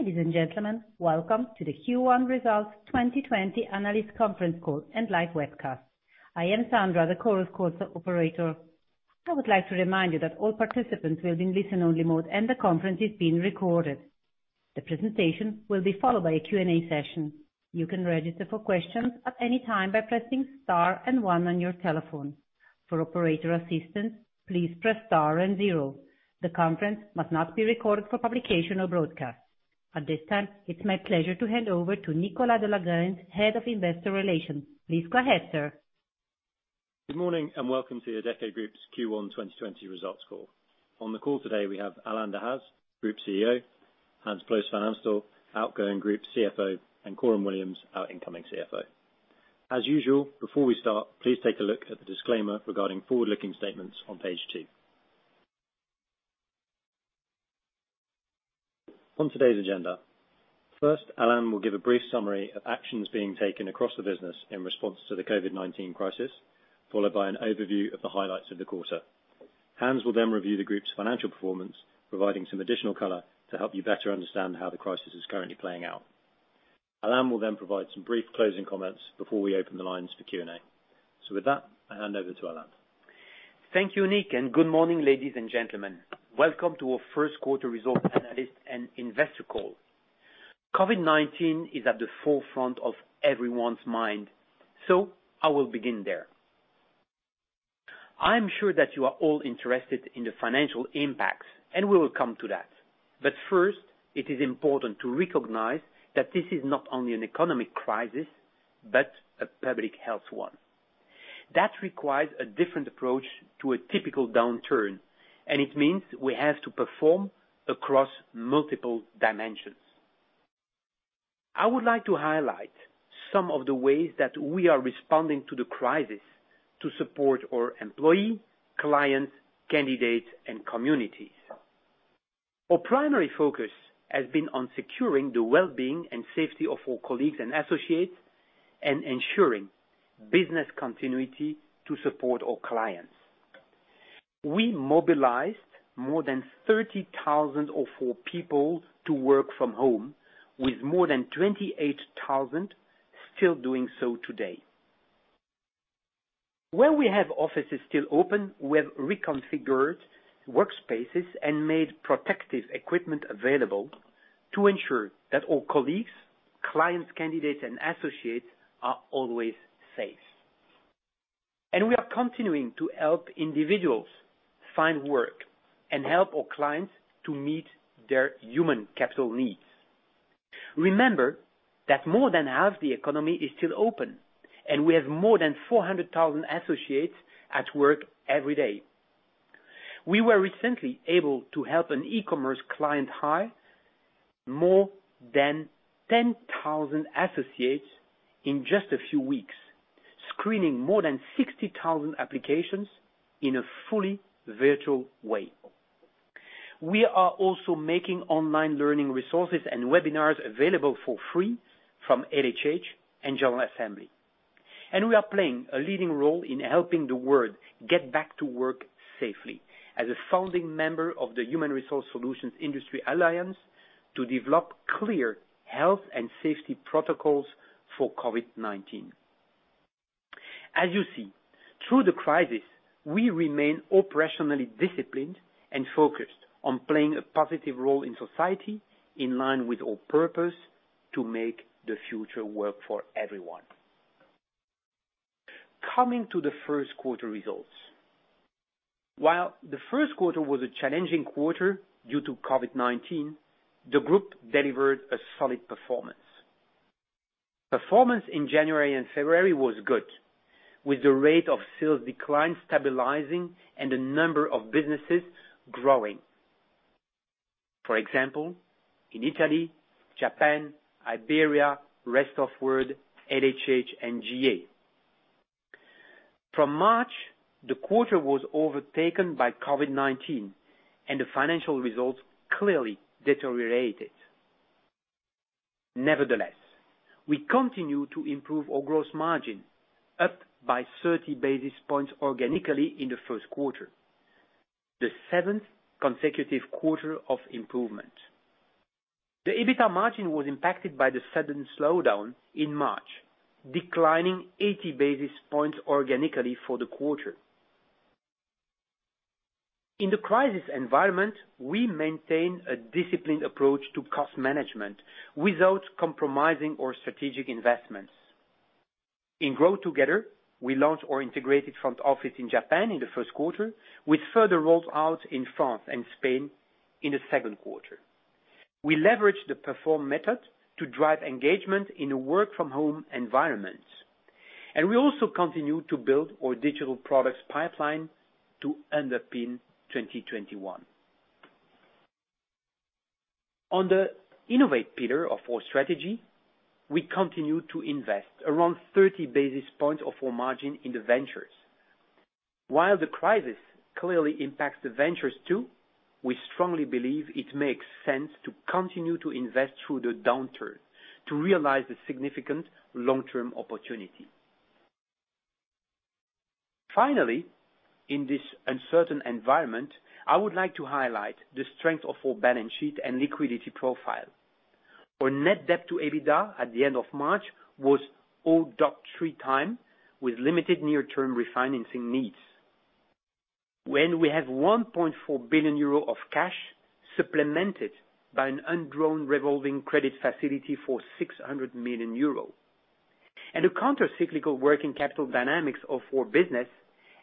Ladies and gentlemen, welcome to the Q1 results 2020 analyst conference call and live webcast. I am Sandra, the conference call's operator. I would like to remind you that all participants will be in listen-only mode, and the conference is being recorded. The presentation will be followed by a Q&A session. You can register for questions at any time by pressing star and one on your telephone. For operator assistance, please press star and zero. The conference must not be recorded for publication or broadcast. At this time, it's my pleasure to hand over to Nicholas de la Grense, Head of Investor Relations. Please go ahead, sir. Good morning, welcome to Adecco Group's Q1 2020 Results Call. On the call today, we have Alain Dehaze, Group CEO, Hans Ploos van Amstel, Outgoing Group CFO, and Coram Williams, our Incoming CFO. As usual, before we start, please take a look at the disclaimer regarding forward-looking statements on page two. On today's agenda, first, Alain will give a brief summary of actions being taken across the business in response to the COVID-19 crisis, followed by an overview of the highlights of the quarter. Hans will review the Group's financial performance, providing some additional color to help you better understand how the crisis is currently playing out. Alain will provide some brief closing comments before we open the lines for Q&A. With that, I hand over to Alain. Thank you, Nic. Good morning, ladies and gentlemen. Welcome to our first quarter result analyst and investor call. COVID-19 is at the forefront of everyone's mind. I will begin there. I am sure that you are all interested in the financial impacts. And we will come to that. But first, it is important to recognize that this is not only an economic crisis, but a public health one. That requires a different approach to a typical downturn. And it means we have to perform across multiple dimensions. I would like to highlight some of the ways that we are responding to the crisis to support our employee, clients, candidates, and communities. Our primary focus has been on securing the well-being and safety of our colleagues and associates and ensuring business continuity to support our clients. We mobilized more than 30,000 of our people to work from home, with more than 28,000 still doing so today. Where we have offices still open, we have reconfigured workspaces and made protective equipment available to ensure that all colleagues, clients, candidates, and associates are always safe. And we are continuing to help individuals find work and help our clients to meet their human capital needs. Remember that more than half the economy is still open, and we have more than 400,000 associates at work every day. We were recently able to help an e-commerce client hire more than 10,000 associates in just a few weeks, screening more than 60,000 applications in a fully virtual way. We are also making online learning resources and webinars available for free from LHH and General Assembly. And we are playing a leading role in helping the world get back to work safely as a founding member of the HR services industry alliance to develop clear health and safety protocols for COVID-19. As you see, through the crisis, we remain operationally disciplined and focused on playing a positive role in society in line with our purpose to make the future work for everyone. Coming to the first quarter results. While the first quarter was a challenging quarter due to COVID-19, the Group delivered a solid performance. Performance in January and February was good, with the rate of sales decline stabilizing and the number of businesses growing. For example, in Italy, Japan, Iberia, Rest of World, LHH, and GA. From March, the quarter was overtaken by COVID-19, and the financial results clearly deteriorated. Nevertheless, we continue to improve our gross margin, up by 30 basis points organically in the first quarter, the seventh consecutive quarter of improvement. The EBITDA margin was impacted by the sudden slowdown in March, declining 80 basis points organically for the quarter. In the crisis environment, we maintain a disciplined approach to cost management without compromising our strategic investments. In GrowTogether, we launched our integrated front office in Japan in the first quarter, with further roll out in France and Spain in the second quarter. We leverage the PERFORM method to drive engagement in a work-from-home environment, and we also continue to build our digital products pipeline to underpin 2021. On the innovate pillar of our strategy, we continue to invest around 30 basis points of our margin in the ventures. While the crisis clearly impacts the ventures, too, we strongly believe it makes sense to continue to invest through the downturn to realize the significant long-term opportunity. Finally, in this uncertain environment, I would like to highlight the strength of our balance sheet and liquidity profile. Our net debt to EBITDA at the end of March was 0.3x, with limited near-term refinancing needs. We have 1.4 billion euro of cash supplemented by an undrawn revolving credit facility for 600 million euros. The counter-cyclical working capital dynamics of our business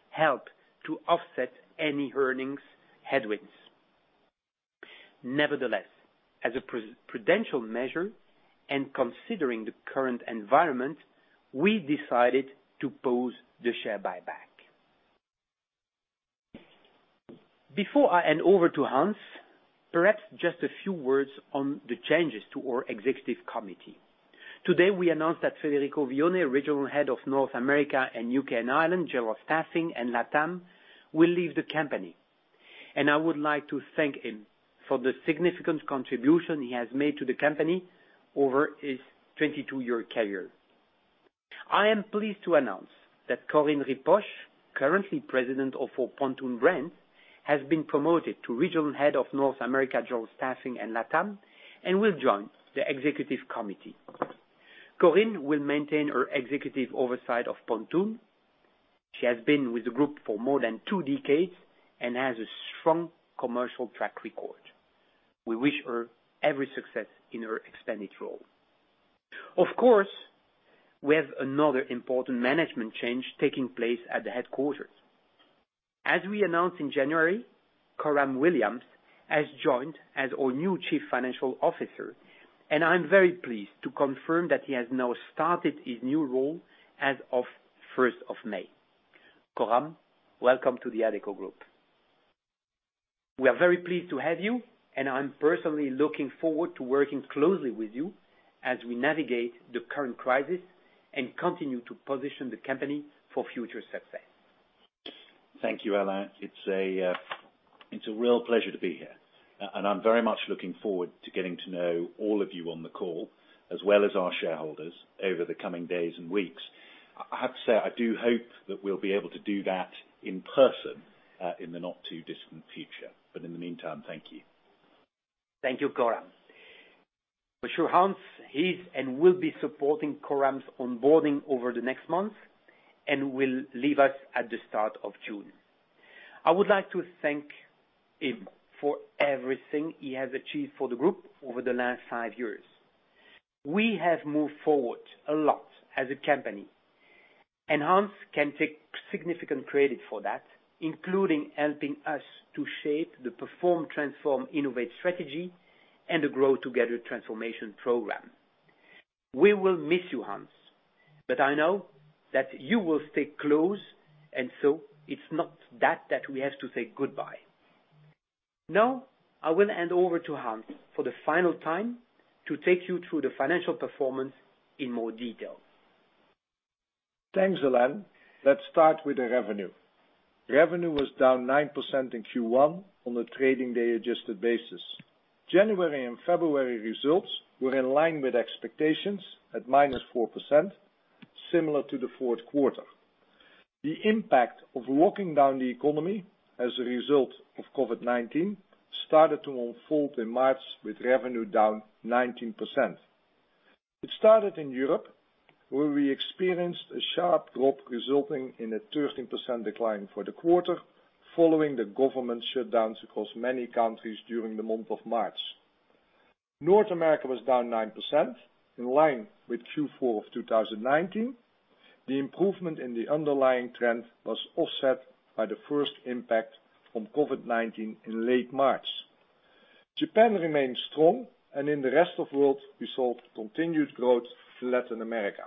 help to offset any earnings headwinds. Nevertheless, as a prudential measure and considering the current environment, we decided to pause the share buyback. Before I hand over to Hans, perhaps just a few words on the changes to our Executive Committee. Today, we announced that Federico Vione, Regional Head of North America and U.K. and Ireland, General Staffing and LATAM, will leave the company. I would like to thank him for the significant contribution he has made to the company over his 22-year career. I am pleased to announce that Corinne Ripoche, currently President of our Pontoon brand, has been promoted to Regional Head of North America, General Staffing and LATAM and will join the Executive Committee. Corinne will maintain her executive oversight of Pontoon. She has been with the group for more than two decades and has a strong commercial track record. We wish her every success in her expanded role. Of course, we have another important management change taking place at the headquarters. As we announced in January, Coram Williams has joined as our new Chief Financial Officer, and I'm very pleased to confirm that he has now started his new role as of 1st of May. Coram, welcome to the Adecco Group. We are very pleased to have you, and I'm personally looking forward to working closely with you as we navigate the current crisis and continue to position the company for future success. Thank you, Alain. It's a real pleasure to be here, and I'm very much looking forward to getting to know all of you on the call, as well as our shareholders over the coming days and weeks. I have to say, I do hope that we'll be able to do that in person, in the not-too-distant future. But in the meantime, thank you. Thank you, Coram. For sure, Hans, he is and will be supporting Coram's onboarding over the next month and will leave us at the start of June. I would like to thank him for everything he has achieved for the Group over the last five years. We have moved forward a lot as a company, and Hans can take significant credit for that, including helping us to shape the Perform, Transform, Innovate strategy and the GrowTogether transformation program. We will miss you, Hans, but I know that you will stay close, and so it's not that that we have to say goodbye. Now, I will hand over to Hans for the final time to take you through the financial performance in more detail. Thanks, Alain. Let's start with the revenue. Revenue was down 9% in Q1 on a trading day adjusted basis. January and February results were in line with expectations at -4%, similar to the fourth quarter. The impact of locking down the economy as a result of COVID-19 started to unfold in March with revenue down 19%. It started in Europe, where we experienced a sharp drop resulting in a 13% decline for the quarter, following the government shutdowns across many countries during the month of March. North America was down 9%, in line with Q4 of 2019. The improvement in the underlying trend was offset by the first impact from COVID-19 in late March. Japan remained strong, and in the Rest of World, we saw continued growth in Latin America.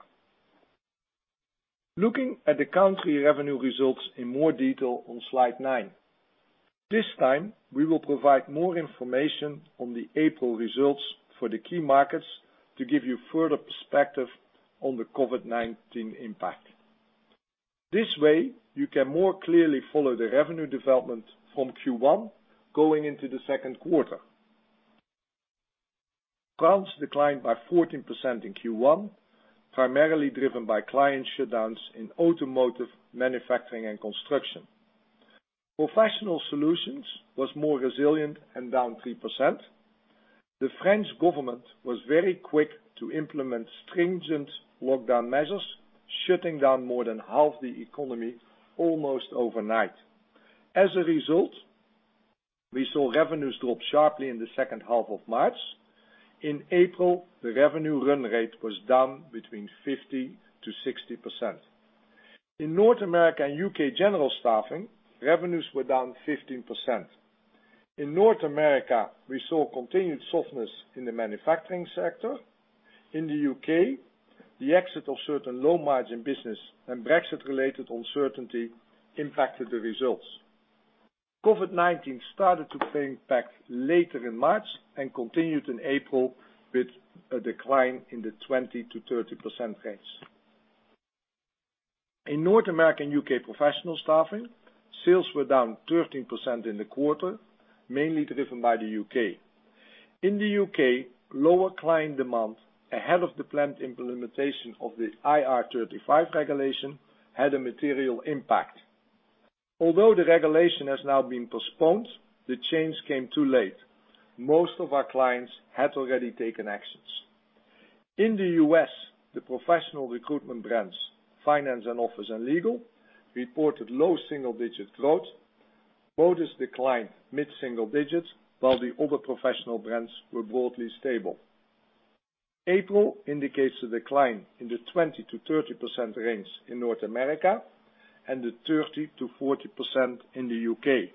Looking at the country revenue results in more detail on slide nine. This time, we will provide more information on the April results for the key markets to give you further perspective on the COVID-19 impact. This way, you can more clearly follow the revenue development from Q1 going into the second quarter. France declined by 14% in Q1, primarily driven by client shutdowns in automotive, manufacturing, and construction. Professional Solutions was more resilient and down 3%. The French government was very quick to implement stringent lockdown measures, shutting down more than half the economy almost overnight. As a result, we saw revenues drop sharply in the second half of March. In April, the revenue run rate was down between 50%-60%. In North America and UK General Staffing, revenues were down 15%. In North America, we saw continued softness in the manufacturing sector. In the U.K., the exit of certain low-margin business and Brexit-related uncertainty impacted the results. COVID-19 started to impact later in March and continued in April with a decline in the 20%-30% range. In North America and UK Professional Staffing, sales were down 13% in the quarter, mainly driven by the U.K. In the U.K., lower client demand ahead of the planned implementation of the IR35 regulation had a material impact. Although the regulation has now been postponed, the change came too late. Most of our clients had already taken actions. In the U.S., the professional recruitment brands, Finance and Office and Legal, reported low single-digit growth. Modis declined mid-single digits, while the other professional brands were broadly stable. April indicates a decline in the 20%-30% range in North America and the 30%-40% in the U.K.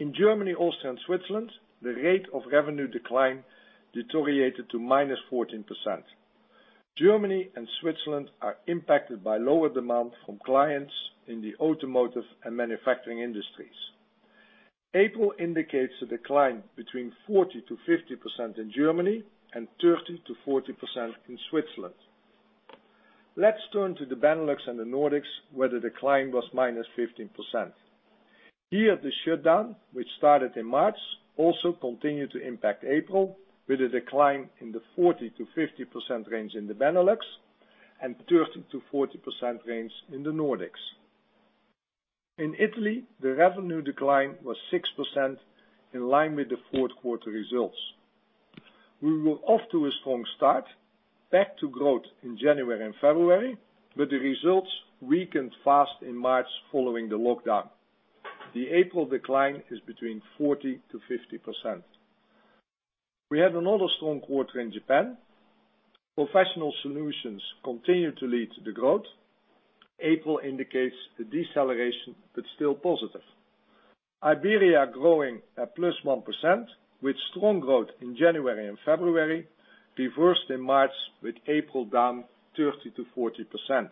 In Germany, Austria, and Switzerland, the rate of revenue decline deteriorated to -14%. Germany and Switzerland are impacted by lower demand from clients in the automotive and manufacturing industries. April indicates a decline between 40%-50% in Germany and 30%-40% in Switzerland. Let's turn to the Benelux and the Nordics, where the decline was -15%. Here, the shutdown, which started in March, also continued to impact April with a decline in the 40%-50% range in the Benelux and 30%-40% range in the Nordics. In Italy, the revenue decline was 6%, in line with the fourth quarter results. We were off to a strong start, back to growth in January and February, but the results weakened fast in March following the lockdown. The April decline is between 40%-50%. We had another strong quarter in Japan. Professional Solutions continued to lead to the growth. April indicates a deceleration, but still positive. Iberia growing at +1%, with strong growth in January and February, reversed in March, with April down 30%-40%.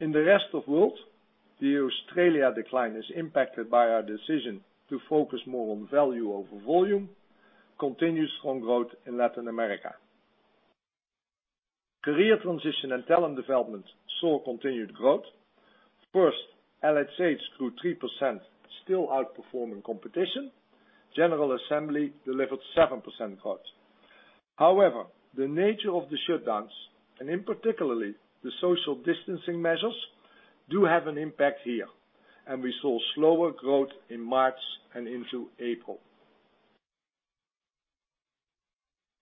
In the Rest of World, the Australia decline is impacted by our decision to focus more on value over volume. Continued strong growth in Latin America. Career transition and talent development saw continued growth. First, LHH grew 3%, still outperforming competition. General Assembly delivered 7% growth. However the nature of the shutdowns, and in particular, the social distancing measures, do have an impact here, and we saw slower growth in March and into April.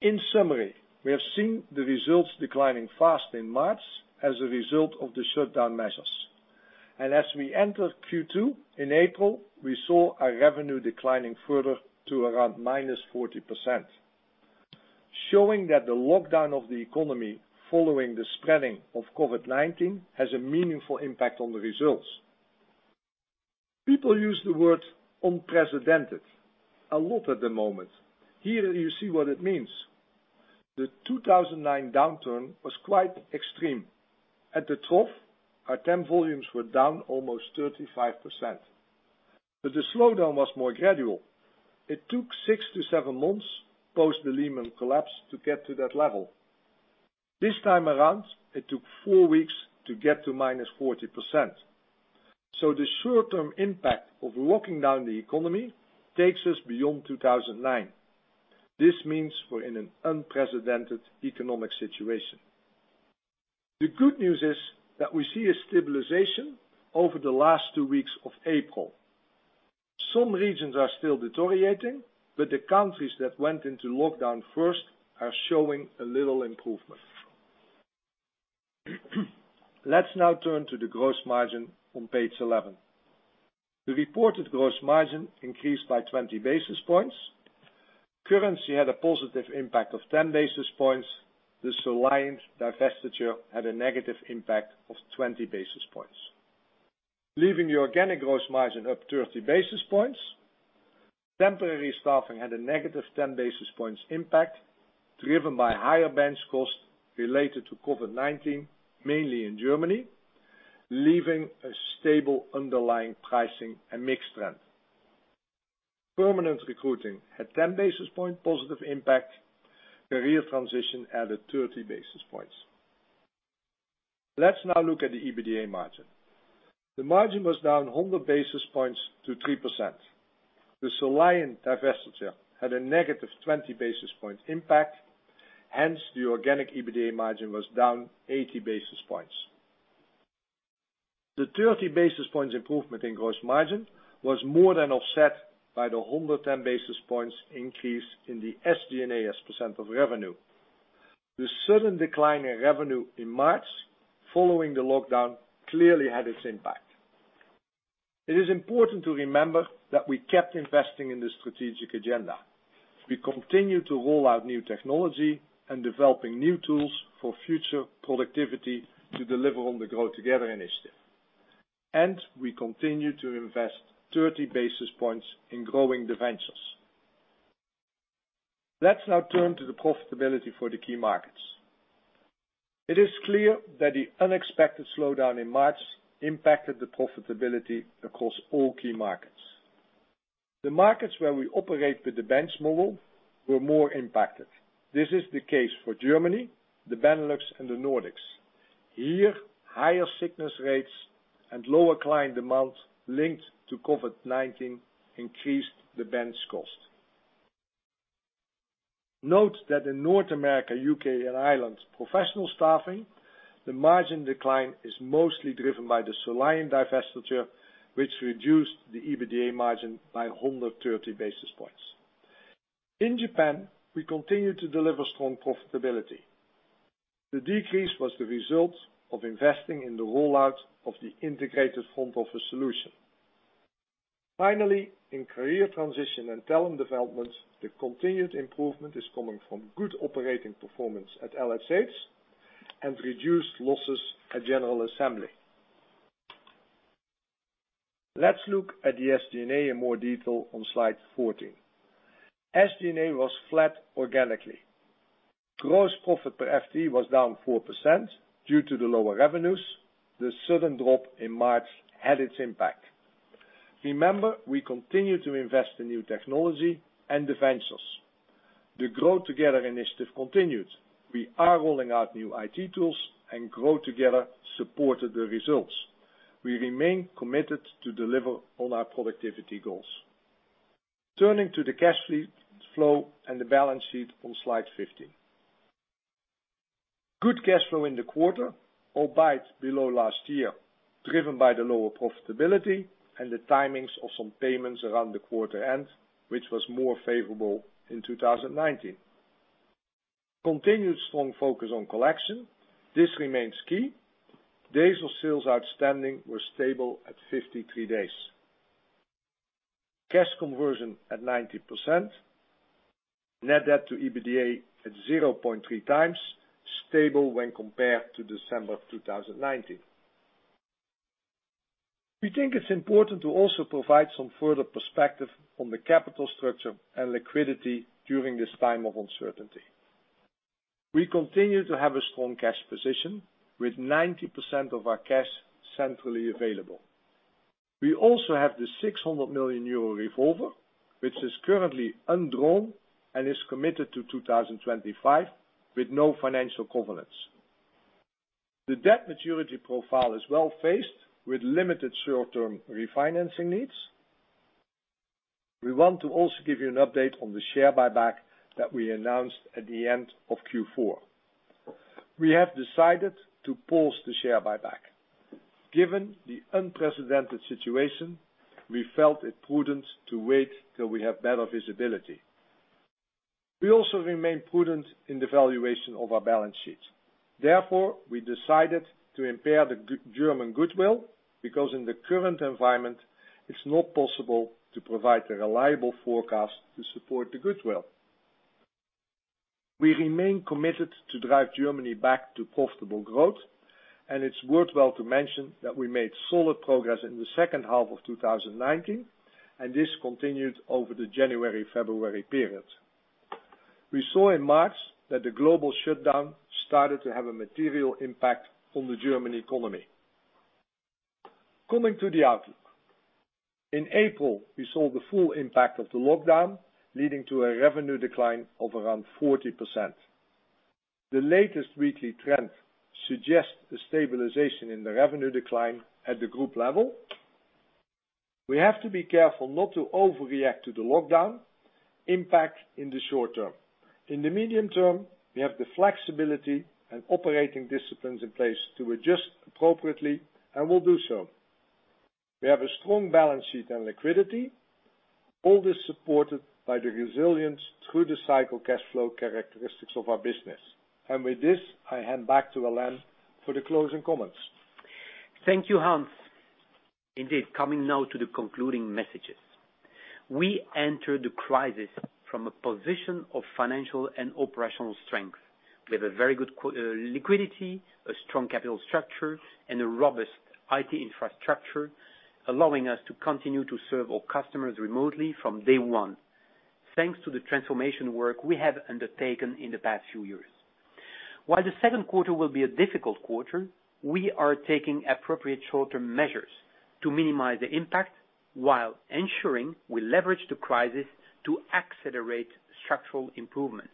In summary, we have seen the results declining fast in March as a result of the shutdown measures. As we enter Q2 in April, we saw our revenue declining further to around -40%, showing that the lockdown of the economy following the spreading of COVID-19 has a meaningful impact on the results. People use the word unprecedented a lot at the moment. Here you see what it means. The 2009 downturn was quite extreme. At the trough, our temp volumes were down almost 35%, but the slowdown was more gradual. It took 6-7 months post the Lehman collapse to get to that level. This time around, it took four weeks to get to -40%. The short term impact of locking down the economy takes us beyond 2009. This means we're in an unprecedented economic situation. The good news is that we see a stabilization over the last two weeks of April. Some regions are still deteriorating, but the countries that went into lockdown first are showing a little improvement. Let's now turn to the gross margin on page 11. The reported gross margin increased by 20 basis points. Currency had a positive impact of 10 basis points. The Soliant divestiture had a negative impact of 20 basis points. Leaving the organic gross margin up 30 basis points. Temporary staffing had a -10 basis points impact, driven by higher bench costs related to COVID-19, mainly in Germany, leaving a stable underlying pricing and mix trend. Permanent recruiting had 10 basis point positive impact. Career transition added 30 basis points. Let's now look at the EBITDA margin. The margin was down 100 basis points to 3%. The Soliant divestiture had a -20 basis point impact. Hence, the organic EBITDA margin was down 80 basis points. The 30 basis points improvement in gross margin was more than offset by the 110 basis points increase in the SG&A as a percent of revenue. The sudden decline in revenue in March following the lockdown clearly had its impact. It is important to remember that we kept investing in the strategic agenda. We continue to roll out new technology and developing new tools for future productivity to deliver on the GrowTogether initiative. And we continue to invest 30 basis points in growing the ventures. Let's now turn to the profitability for the key markets. It is clear that the unexpected slowdown in March impacted the profitability across all key markets. The markets where we operate with the bench model were more impacted. This is the case for Germany, the Benelux, and the Nordics. Here, higher sickness rates and lower client demand linked to COVID-19 increased the bench cost. Note that in North America, U.K. and Ireland professional staffing, the margin decline is mostly driven by the Soliant divestiture, which reduced the EBITDA margin by 130 basis points. In Japan, we continue to deliver strong profitability. The decrease was the result of investing in the rollout of the integrated front office solution. Finally, in career transition and talent development, the continued improvement is coming from good operating performance at LHH and reduced losses at General Assembly. Let's look at the SG&A in more detail on slide 14. SG&A was flat organically. Gross profit per FTE was down 4% due to the lower revenues. The sudden drop in March had its impact. Remember, we continue to invest in new technology and ventures. The GrowTogether initiative continues. We are rolling out new IT tools, and GrowTogether supported the results. We remain committed to deliver on our productivity goals. Turning to the cash flow and the balance sheet on slide 15. Good cash flow in the quarter, albeit below last year, driven by the lower profitability and the timings of some payments around the quarter end, which was more favorable in 2019. Continued strong focus on collection. This remains key. Days of sales outstanding were stable at 53 days. Cash conversion at 90%. Net debt to EBITDA at 0.3x, stable when compared to December of 2019. We think it's important to also provide some further perspective on the capital structure and liquidity during this time of uncertainty. We continue to have a strong cash position with 90% of our cash centrally available. We also have the 600 million euro revolver, which is currently undrawn and is committed to 2025 with no financial covenants. The debt maturity profile is well-faced with limited short-term refinancing needs. We want to also give you an update on the share buyback that we announced at the end of Q4. We have decided to pause the share buyback. Given the unprecedented situation, we felt it prudent to wait till we have better visibility. We also remain prudent in the valuation of our balance sheet. Therefore we decided to impair the German goodwill because in the current environment, it's not possible to provide a reliable forecast to support the goodwill. We remain committed to drive Germany back to profitable growth, and it's worthwhile to mention that we made solid progress in the second half of 2019, and this continued over the January/February period. We saw in March that the global shutdown started to have a material impact on the German economy. Coming to the outlook. In April, we saw the full impact of the lockdown, leading to a revenue decline of around 40%. The latest weekly trend suggests a stabilization in the revenue decline at the group level. We have to be careful not to overreact to the lockdown impact in the short term. In the medium term, we have the flexibility and operating disciplines in place to adjust appropriately, and will do so. We have a strong balance sheet and liquidity, all this supported by the resilience through the cycle cash flow characteristics of our business. With this, I hand back to Alain for the closing comments. Thank you, Hans. Indeed, coming now to the concluding messages. We enter the crisis from a position of financial and operational strength with a very good liquidity, a strong capital structure, and a robust IT infrastructure, allowing us to continue to serve our customers remotely from day one, thanks to the transformation work we have undertaken in the past few years. While the second quarter will be a difficult quarter, we are taking appropriate short-term measures to minimize the impact while ensuring we leverage the crisis to accelerate structural improvements.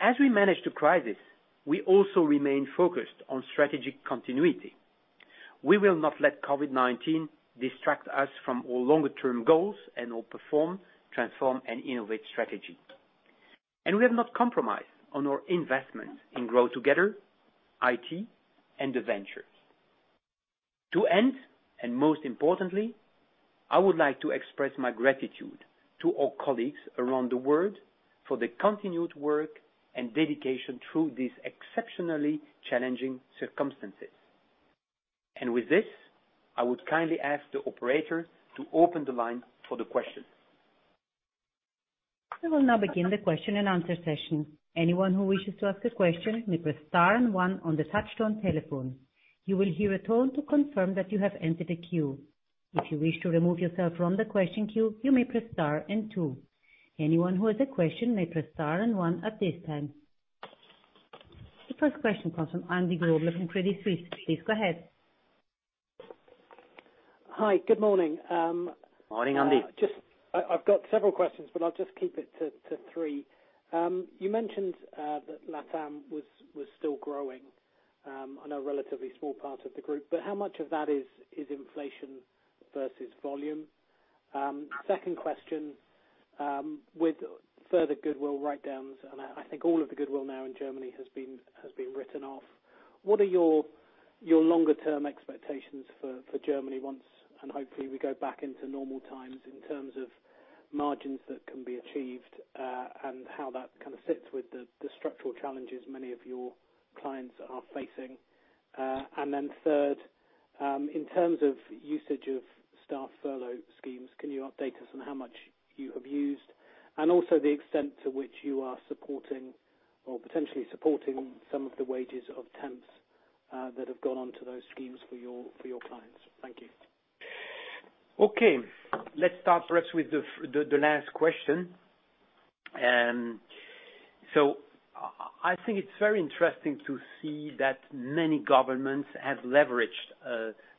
As we manage the crisis, we also remain focused on strategic continuity. We will not let COVID-19 distract us from our longer term goals and/or Perform, Transform, Innovate strategy. We have not compromised on our investment in GrowTogether, IT, and the ventures. To end, most importantly, I would like to express my gratitude to all colleagues around the world for the continued work and dedication through these exceptionally challenging circumstances. With this, I would kindly ask the operator to open the line for the questions. We will now begin the question and answer session. Anyone who wishes to ask a question may press star and one on the touchtone telephone. You will hear a tone to confirm that you have entered a queue. If you wish to remove yourself from the question queue, you may press star and two. Anyone who has a question may press star and one at this time. The first question comes from Andy Grobler from Credit Suisse. Please go ahead. Hi. Good morning. Morning, Andy. I've got several questions, but I'll just keep it to three. You mentioned that LATAM was still growing on a relatively small part of the group. How much of that is inflation versus volume? Second question, with further goodwill write-downs, and I think all of the goodwill now in Germany has been written off, what are your longer-term expectations for Germany once, and hopefully, we go back into normal times in terms of margins that can be achieved, and how that kind of fits with the structural challenges many of your clients are facing. And then third, in terms of usage of staff furlough schemes, can you update us on how much you have used, and also the extent to which you are supporting or potentially supporting some of the wages of temps that have gone onto those schemes for your clients? Thank you. Okay. Let's start perhaps with the last question. I think it's very interesting to see that many governments have leveraged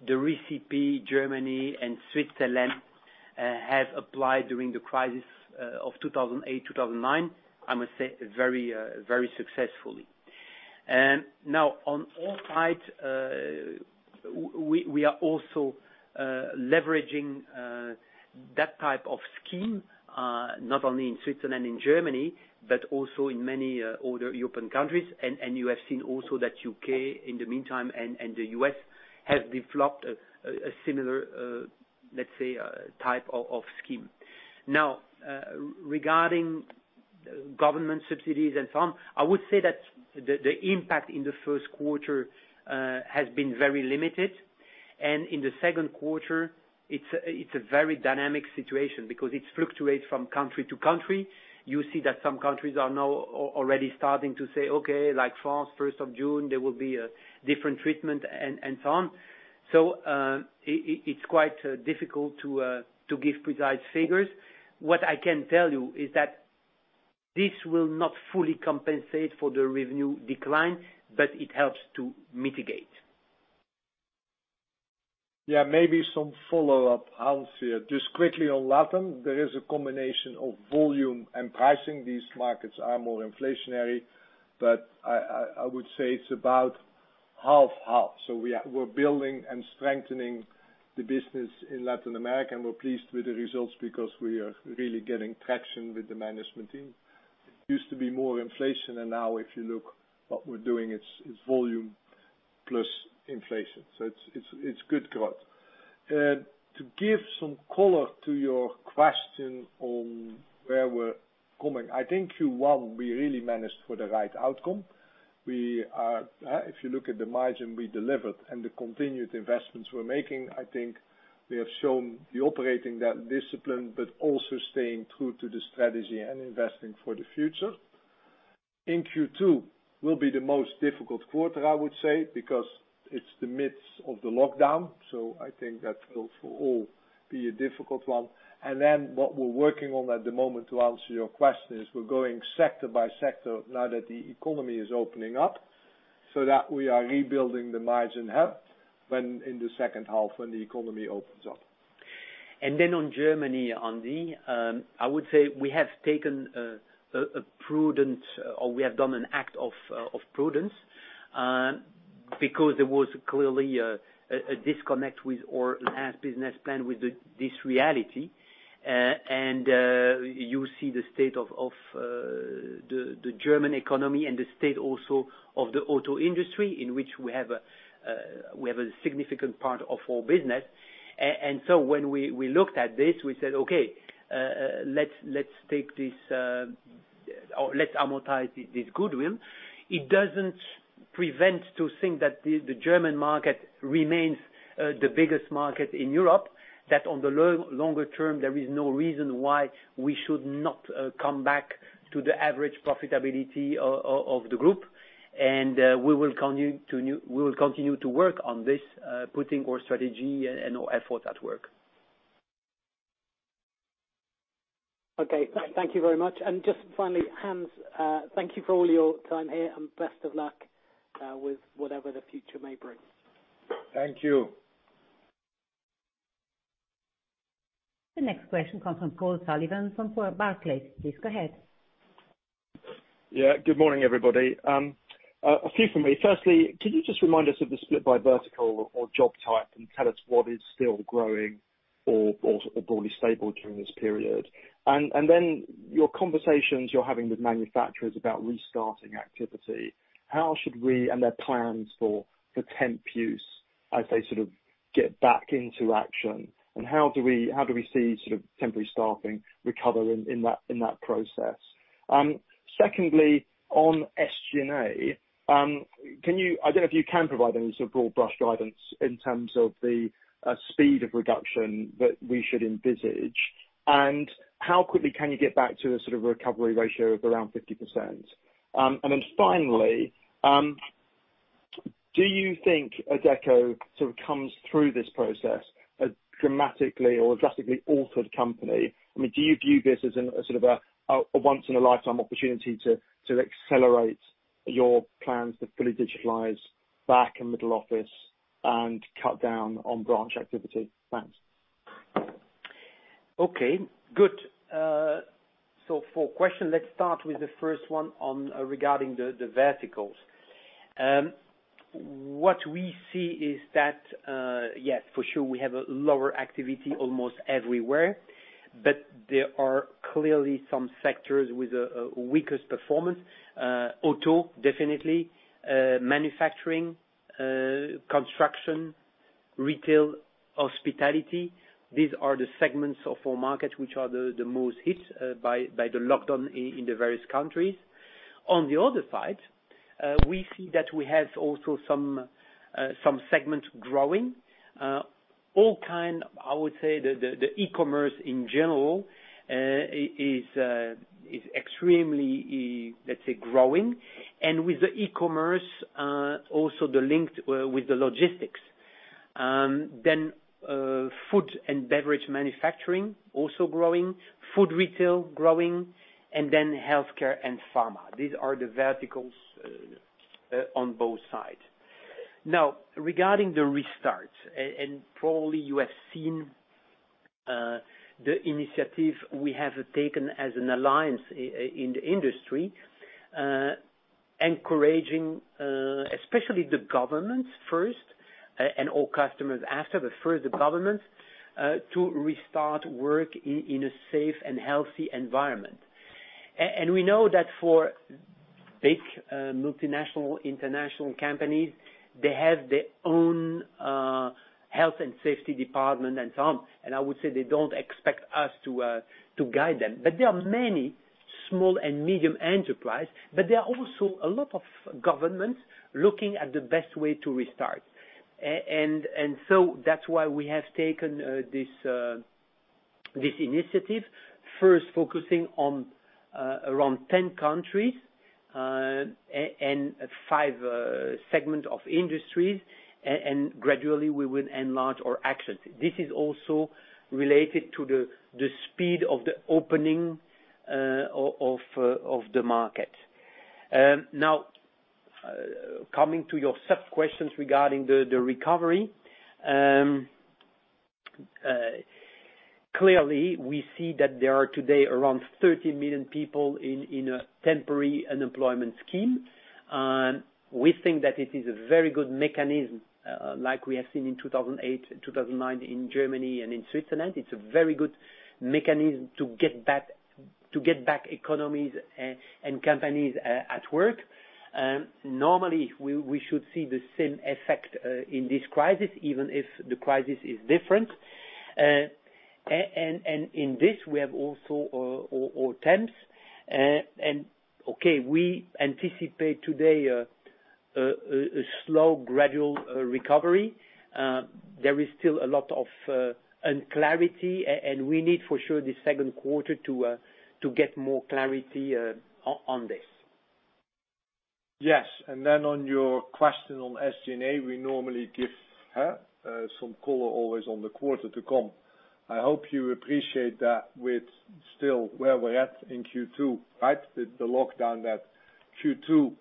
the recipe Germany and Switzerland have applied during the crisis of 2008, 2009, I must say, very successfully. On all sides, we are also leveraging that type of scheme, not only in Switzerland and Germany, but also in many other European countries. You have seen also that U.K., in the meantime, and the U.S., have developed a similar, let's say, type of scheme. Regarding government subsidies and so on, I would say that the impact in the first quarter has been very limited. In the second quarter, it's a very dynamic situation because it fluctuates from country to country. You see that some countries are now already starting to say, okay, like France, 1st of June, there will be a different treatment and so on. It's quite difficult to give precise figures. What I can tell you is that this will not fully compensate for the revenue decline, but it helps to mitigate. Maybe some follow-up, Hans, here. Just quickly on LATAM, there is a combination of volume and pricing. These markets are more inflationary, but I would say it's about half/half. We're building and strengthening the business in Latin America, and we're pleased with the results because we are really getting traction with the management team. It used to be more inflation, and now if you look what we're doing, it's volume plus inflation, so it's good growth. To give some color to your question on where we're coming, I think Q1, we really managed for the right outcome. If you look at the margin we delivered and the continued investments we're making, I think we have shown the operating discipline, but also staying true to the strategy and investing for the future. In Q2 will be the most difficult quarter, I would say, because it's the midst of the lockdown, so I think that will for all be a difficult one. What we're working on at the moment, to answer your question, is we're going sector by sector now that the economy is opening up so that we are rebuilding the margin up in the second half when the economy opens up. And then on Germany, Andy, I would say we have taken a prudent or we have done an act of prudence, because there was clearly a disconnect with our last business plan with this reality. You see the state of the German economy and the state also of the auto industry, in which we have a significant part of our business. When we looked at this, we said, "Okay, let's amortize this goodwill." It doesn't prevent to think that the German market remains the biggest market in Europe, that on the longer term, there is no reason why we should not come back to the average profitability of the group. We will continue to work on this, putting our strategy and our efforts at work. Okay. Thank you very much. Just finally, Hans, thank you for all your time here and best of luck with whatever the future may bring. Thank you. The next question comes from Paul Sullivan from Barclays. Please go ahead. Yeah. Good morning, everybody. A few from me. Can you just remind us of the split by vertical or job type and tell us what is still growing or broadly stable during this period? And then your conversations you're having with manufacturers about restarting activity and their plans for temp use, I'd say, sort of get back into action, and how do we see temporary staffing recover in that process? And secondly on SG&A, I don't know if you can provide any sort of broad brush guidance in terms of the speed of reduction that we should envisage, and how quickly can you get back to a sort of recovery ratio of around 50%? Finally, do you think Adecco sort of comes through this process a dramatically or drastically altered company? I mean, do you view this as a sort of a once in a lifetime opportunity to accelerate your plans to fully digitalize back and middle office and cut down on branch activity?. Thanks. Okay, good. For question, let's start with the first one on regarding the verticals. What we see is that, yes, for sure, we have a lower activity almost everywhere, but there are clearly some sectors with a weakest performance. Auto, definitely. Manufacturing, construction, retail, hospitality. These are the segments of our market which are the most hit by the lockdown in the various countries. On the other side, we see that we have also some segments growing. E-commerce in general, is extremely, let's say growing. With the e-commerce, also the linked with the logistics. Food and beverage manufacturing also growing. Food retail growing, and then healthcare and pharma. These are the verticals on both sides. Now regarding the restart, and probably you have seen the initiative we have taken as an alliance in the industry, encouraging, especially the governments first, and all customers after, but first the governments, to restart work in a safe and healthy environment. And we know that for big multinational international companies, they have their own health and safety department and so on. I would say they don't expect us to guide them. There are many small and medium enterprise, there are also a lot of governments looking at the best way to restart. That's why we have taken this initiative first focusing on around 10 countries, and five segments of industries, gradually we will enlarge our actions. This is also related to the speed of the opening of the market. Coming to your sub-questions regarding the recovery. Clearly we see that there are today around 30 million people in a temporary unemployment scheme. We think that it is a very good mechanism, like we have seen in 2008, 2009 in Germany and in Switzerland. It's a very good mechanism to get back economies and companies at work. Normally, we should see the same effect in this crisis, even if the crisis is different. And in this, we have also attempts. Okay, we anticipate today a slow gradual recovery. There is still a lot of unclarity, and we need for sure the second quarter to get more clarity on this. On your question on SG&A, we normally give some color always on the quarter to come. I hope you appreciate that with still where we're at in Q2. The lockdown, that Q2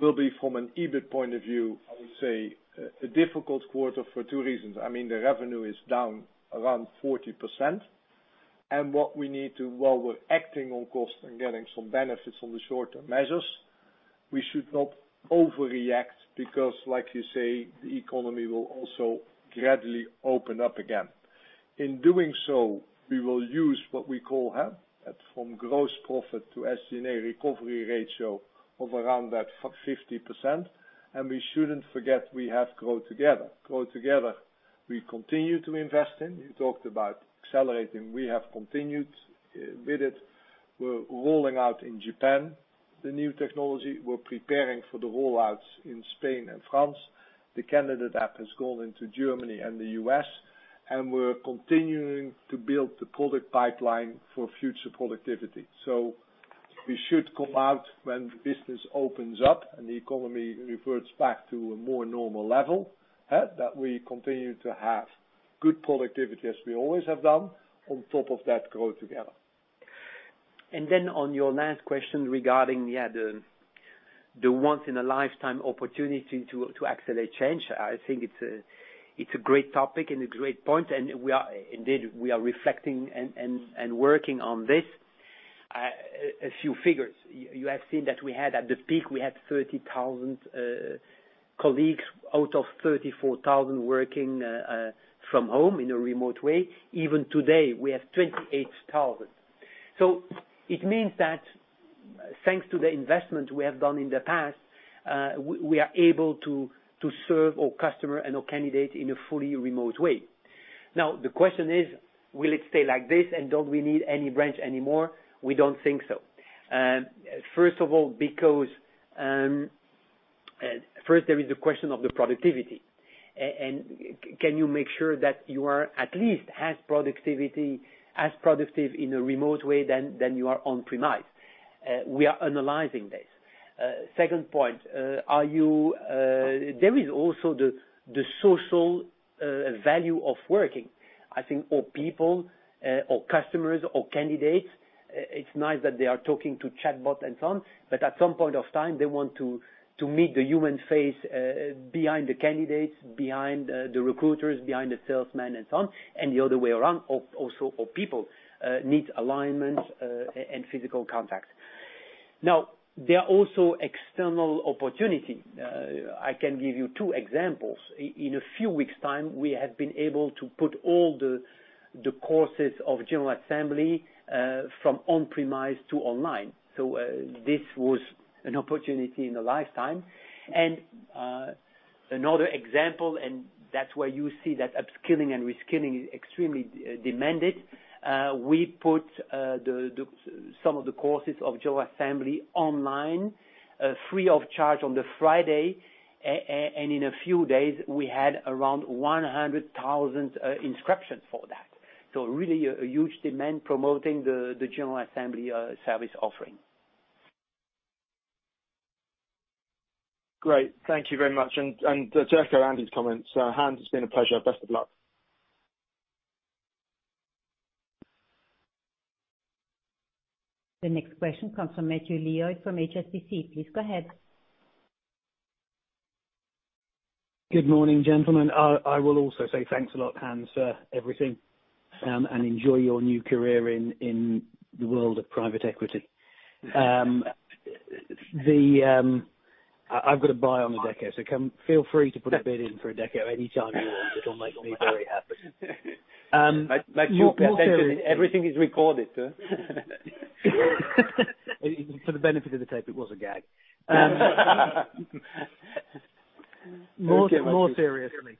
will be from an EBIT point of view, I would say, a difficult quarter for two reasons. The revenue is down around 40%. While we're acting on cost and getting some benefits on the short-term measures, we should not overreact because like you say, the economy will also gradually open up again. In doing so, we will use what we call from gross profit to SG&A recovery ratio of around that 50%. We shouldn't forget we have GrowTogether. GrowTogether, we continue to invest in. You talked about accelerating. We have continued with it. We're rolling out in Japan, the new technology. We're preparing for the rollouts in Spain and France. The candidate app has gone into Germany and the U.S. We're continuing to build the product pipeline for future productivity. We should come out when business opens up and the economy reverts back to a more normal level, that we continue to have good productivity as we always have done on top of that GrowTogether. And then on your last question regarding the once in a lifetime opportunity to accelerate change, I think it's a great topic and a great point, and indeed we are reflecting and working on this. A few figures. You have seen that we had at the peak, we had 30,000 colleagues out of 34,000 working from home in a remote way. Even today, we have 28,000. It means that thanks to the investment we have done in the past, we are able to serve our customer and our candidate in a fully remote way. Now the question is, will it stay like this and don't we need any branch anymore? We don't think so. First of all, because, first there is the question of the productivity. Can you make sure that you are at least as productive in a remote way than you are on-premise? We are analyzing this. Second point. There is also the social value of working. I think our people, our customers, our candidates. It's nice that they are talking to chatbot and so on, but at some point of time, they want to meet the human face behind the candidates, behind the recruiters, behind the salesmen, and so on. The other way around also for people, needs alignment and physical contact. There are also external opportunities. I can give you two examples. In a few weeks' time, we have been able to put all the courses of General Assembly from on-premise to online. This was an opportunity in a lifetime. Another example, and that's where you see that upskilling and reskilling is extremely demanded. We put some of the courses of General Assembly online, free of charge on the Friday. And in a few days, we had around 100,000 inscriptions for that. Really, a huge demand promoting the General Assembly service offering. Great. Thank you very much. To echo Andy's comments, Hans, it's been a pleasure. Best of luck. The next question comes from Matthew Lloyd from HSBC. Please go ahead. Good morning, gentlemen. I will also say thanks a lot, Hans, for everything. Enjoy your new career in the world of private equity. I've got a buy on Adecco. Feel free to put a bid in for Adecco anytime you want. It'll make me very happy. Matthew, attention, everything is recorded. For the benefit of the tape, it was a gag. More seriously.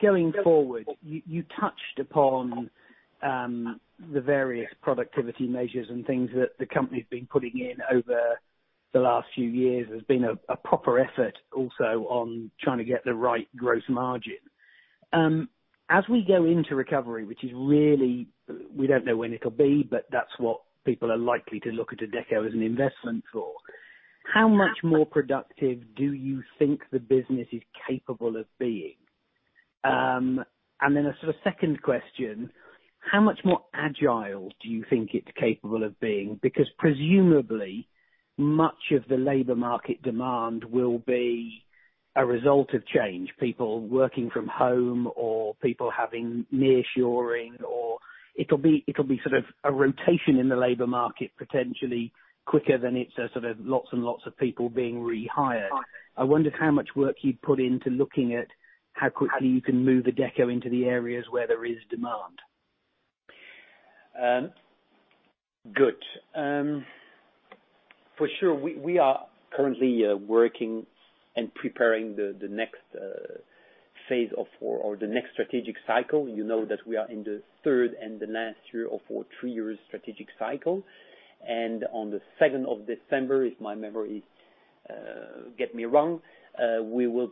Going forward, you touched upon the various productivity measures and things that the company's been putting in over the last few years, there's been a proper effort also on trying to get the right gross margin. As we go into recovery, which is really, we don't know when it'll be, but that's what people are likely to look at Adecco as an investment for. How much more productive do you think the business is capable of being? A sort of second question, how much more agile do you think it's capable of being? Because presumably, much of the labor market demand will be a result of change, people working from home or people having near shoring, or it'll be sort of a rotation in the labor market, potentially quicker than it's a sort of lots and lots of people being rehired. I wondered how much work you'd put into looking at how quickly you can move Adecco into the areas where there is demand. Good. For sure, we are currently working and preparing the next phase or the next strategic cycle. You know that we are in the third and the last year of our three-year strategic cycle. And on the 2nd of December, if my memory get me wrong, we will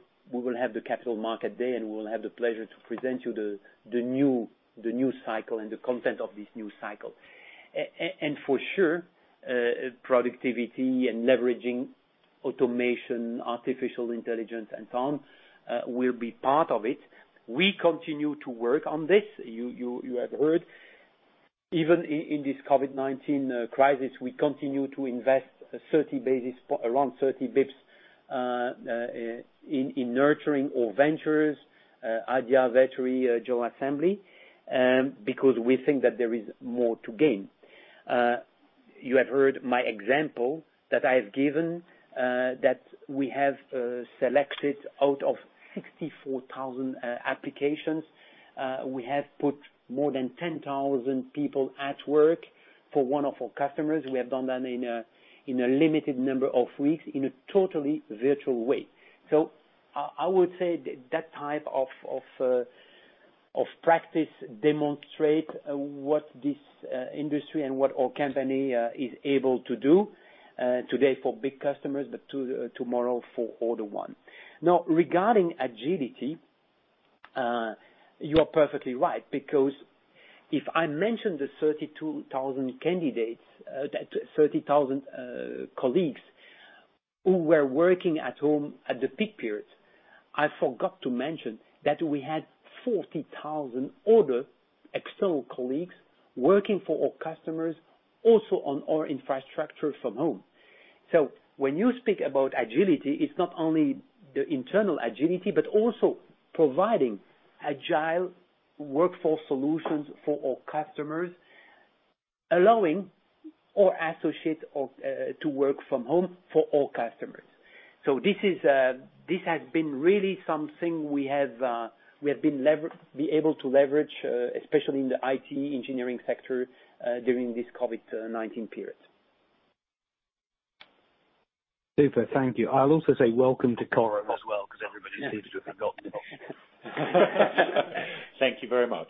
have the Capital Market Day, and we will have the pleasure to present you the new cycle and the content of this new cycle. For sure, productivity and leveraging automation, artificial intelligence, and so on will be part of it. We continue to work on this. You have heard, even in this COVID-19 crisis, we continue to invest around 30 basis points in nurturing our ventures, Adia, Vettery, General Assembly, because we think that there is more to gain. You have heard my example that I have given, that we have selected out of 64,000 applications. We have put more than 10,000 people at work for one of our customers. We have done that in a limited number of weeks in a totally virtual way. I would say that type of practice demonstrate what this industry and what our company is able to do, today for big customers, but tomorrow for all the one. Now regarding agility, you are perfectly right, because if I mentioned the 32,000 colleagues who were working at home at the peak periods, I forgot to mention that we had 40,000 other external colleagues working for our customers also on our infrastructure from home. When you speak about agility, it's not only the internal agility, but also providing agile workforce solutions for our customers, allowing our associates to work from home for all customers. This has been really something we have been able to leverage, especially in the IT engineering sector, during this COVID-19 period. Super. Thank you. I'll also say welcome to Coram as well, because everybody seems to have forgotten. Thank you very much.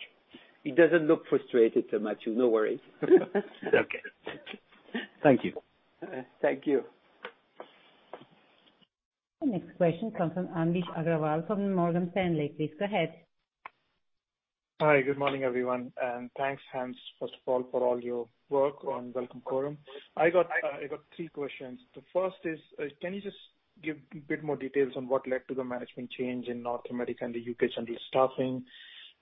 He doesn't look frustrated, too much. No worries. Okay. Thank you. Thank you. The next question comes from Anvesh Agrawal from Morgan Stanley. Please go ahead. Hi. Good morning, everyone. Thanks, Hans, first of all, for all your work on welcome Coram. I got three questions. The first is, give a bit more details on what led to the management change in North America and the UK General Staffing.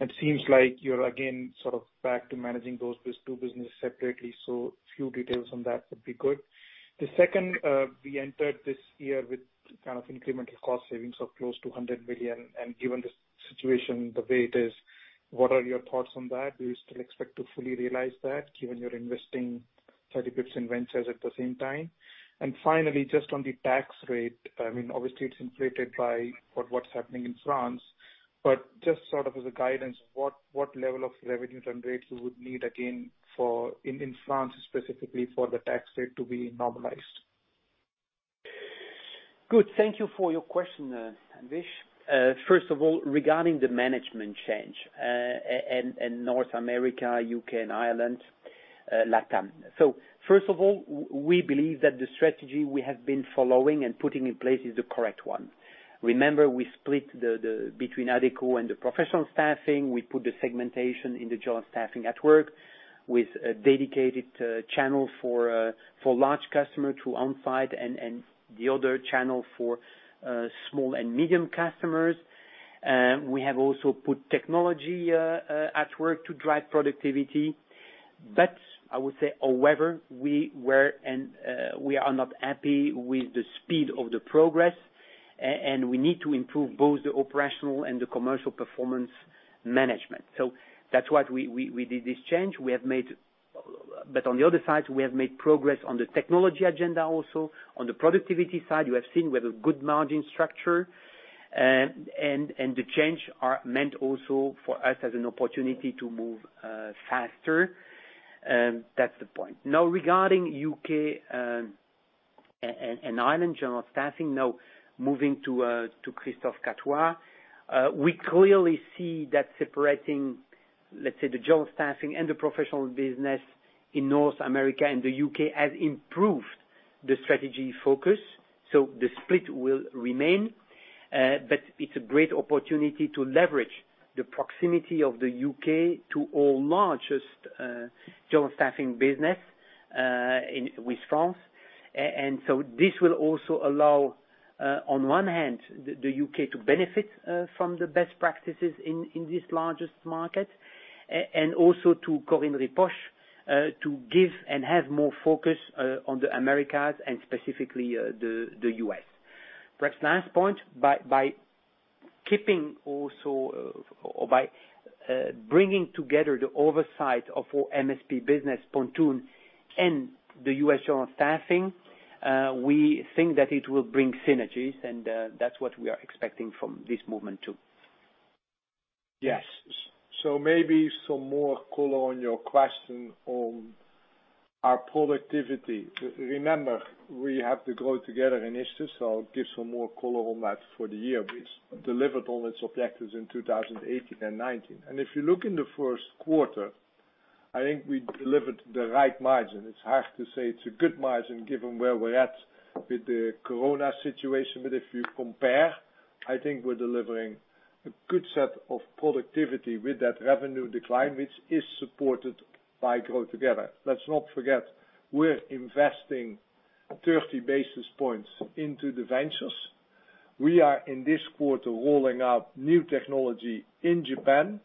It seems like you're again, sort of back to managing those two businesses separately. A few details on that would be good. The second, we entered this year with kind of incremental cost savings of close to 100 million, and given the situation the way it is, what are your thoughts on that? Do you still expect to fully realize that given you're investing 30 basis points in ventures at the same time? And finally, just on the tax rate, I mean, obviously it's inflated by what's happening in France, but just sort of as a guidance, what level of revenues and rates you would need again in France specifically for the tax rate to be normalized? Good. Thank you for your question, Anvesh. First of all, regarding the management change, in North America, U.K. and Ireland, LATAM. First of all, we believe that the strategy we have been following and putting in place is the correct one. Remember, we split between Adecco and the Professional Staffing. We put the segmentation in the General Staffing at work with a dedicated channel for large customer through Onsite and the other channel for small and medium customers. We have also put technology at work to drive productivity. But I would say however we are not happy with the speed of the progress. And we need to improve both the operational and the commercial performance management. That's why we did this change. On the other side, we have made progress on the technology agenda also, on the productivity side. You have seen we have a good margin structure. And the change are meant also for us as an opportunity to move faster. That's the point. Now regarding U.K. and Ireland General Staffing now moving to Christophe Catoir. We clearly see that separating, let's say, the General Staffing and the Professional Business in North America and the U.K. has improved the strategy focus. The split will remain. It's a great opportunity to leverage the proximity of the U.K. to our largest General Staffing business with France. This will also allow, on one hand, the U.K. to benefit from the best practices in this largest market, and also to Corinne Ripoche, to give and have more focus on the Americas and specifically the U.S. Perhaps last point, by keeping also or by bringing together the oversight of our MSP business, Pontoon and the US General Staffing, we think that it will bring synergies, and that's what we are expecting from this movement too. Yes. Maybe some more color on your question on our productivity. Remember, we have the GrowTogether initiative, so I'll give some more color on that for the year. We delivered on its objectives in 2018 and 2019. If you look in the first quarter, I think we delivered the right margin. It's hard to say it's a good margin given where we're at with the corona situation. If you compare, I think we're delivering a good set of productivity with that revenue decline, which is supported by GrowTogether. Let's not forget, we're investing 30 basis points into the ventures. We are in this quarter rolling out new technology in Japan.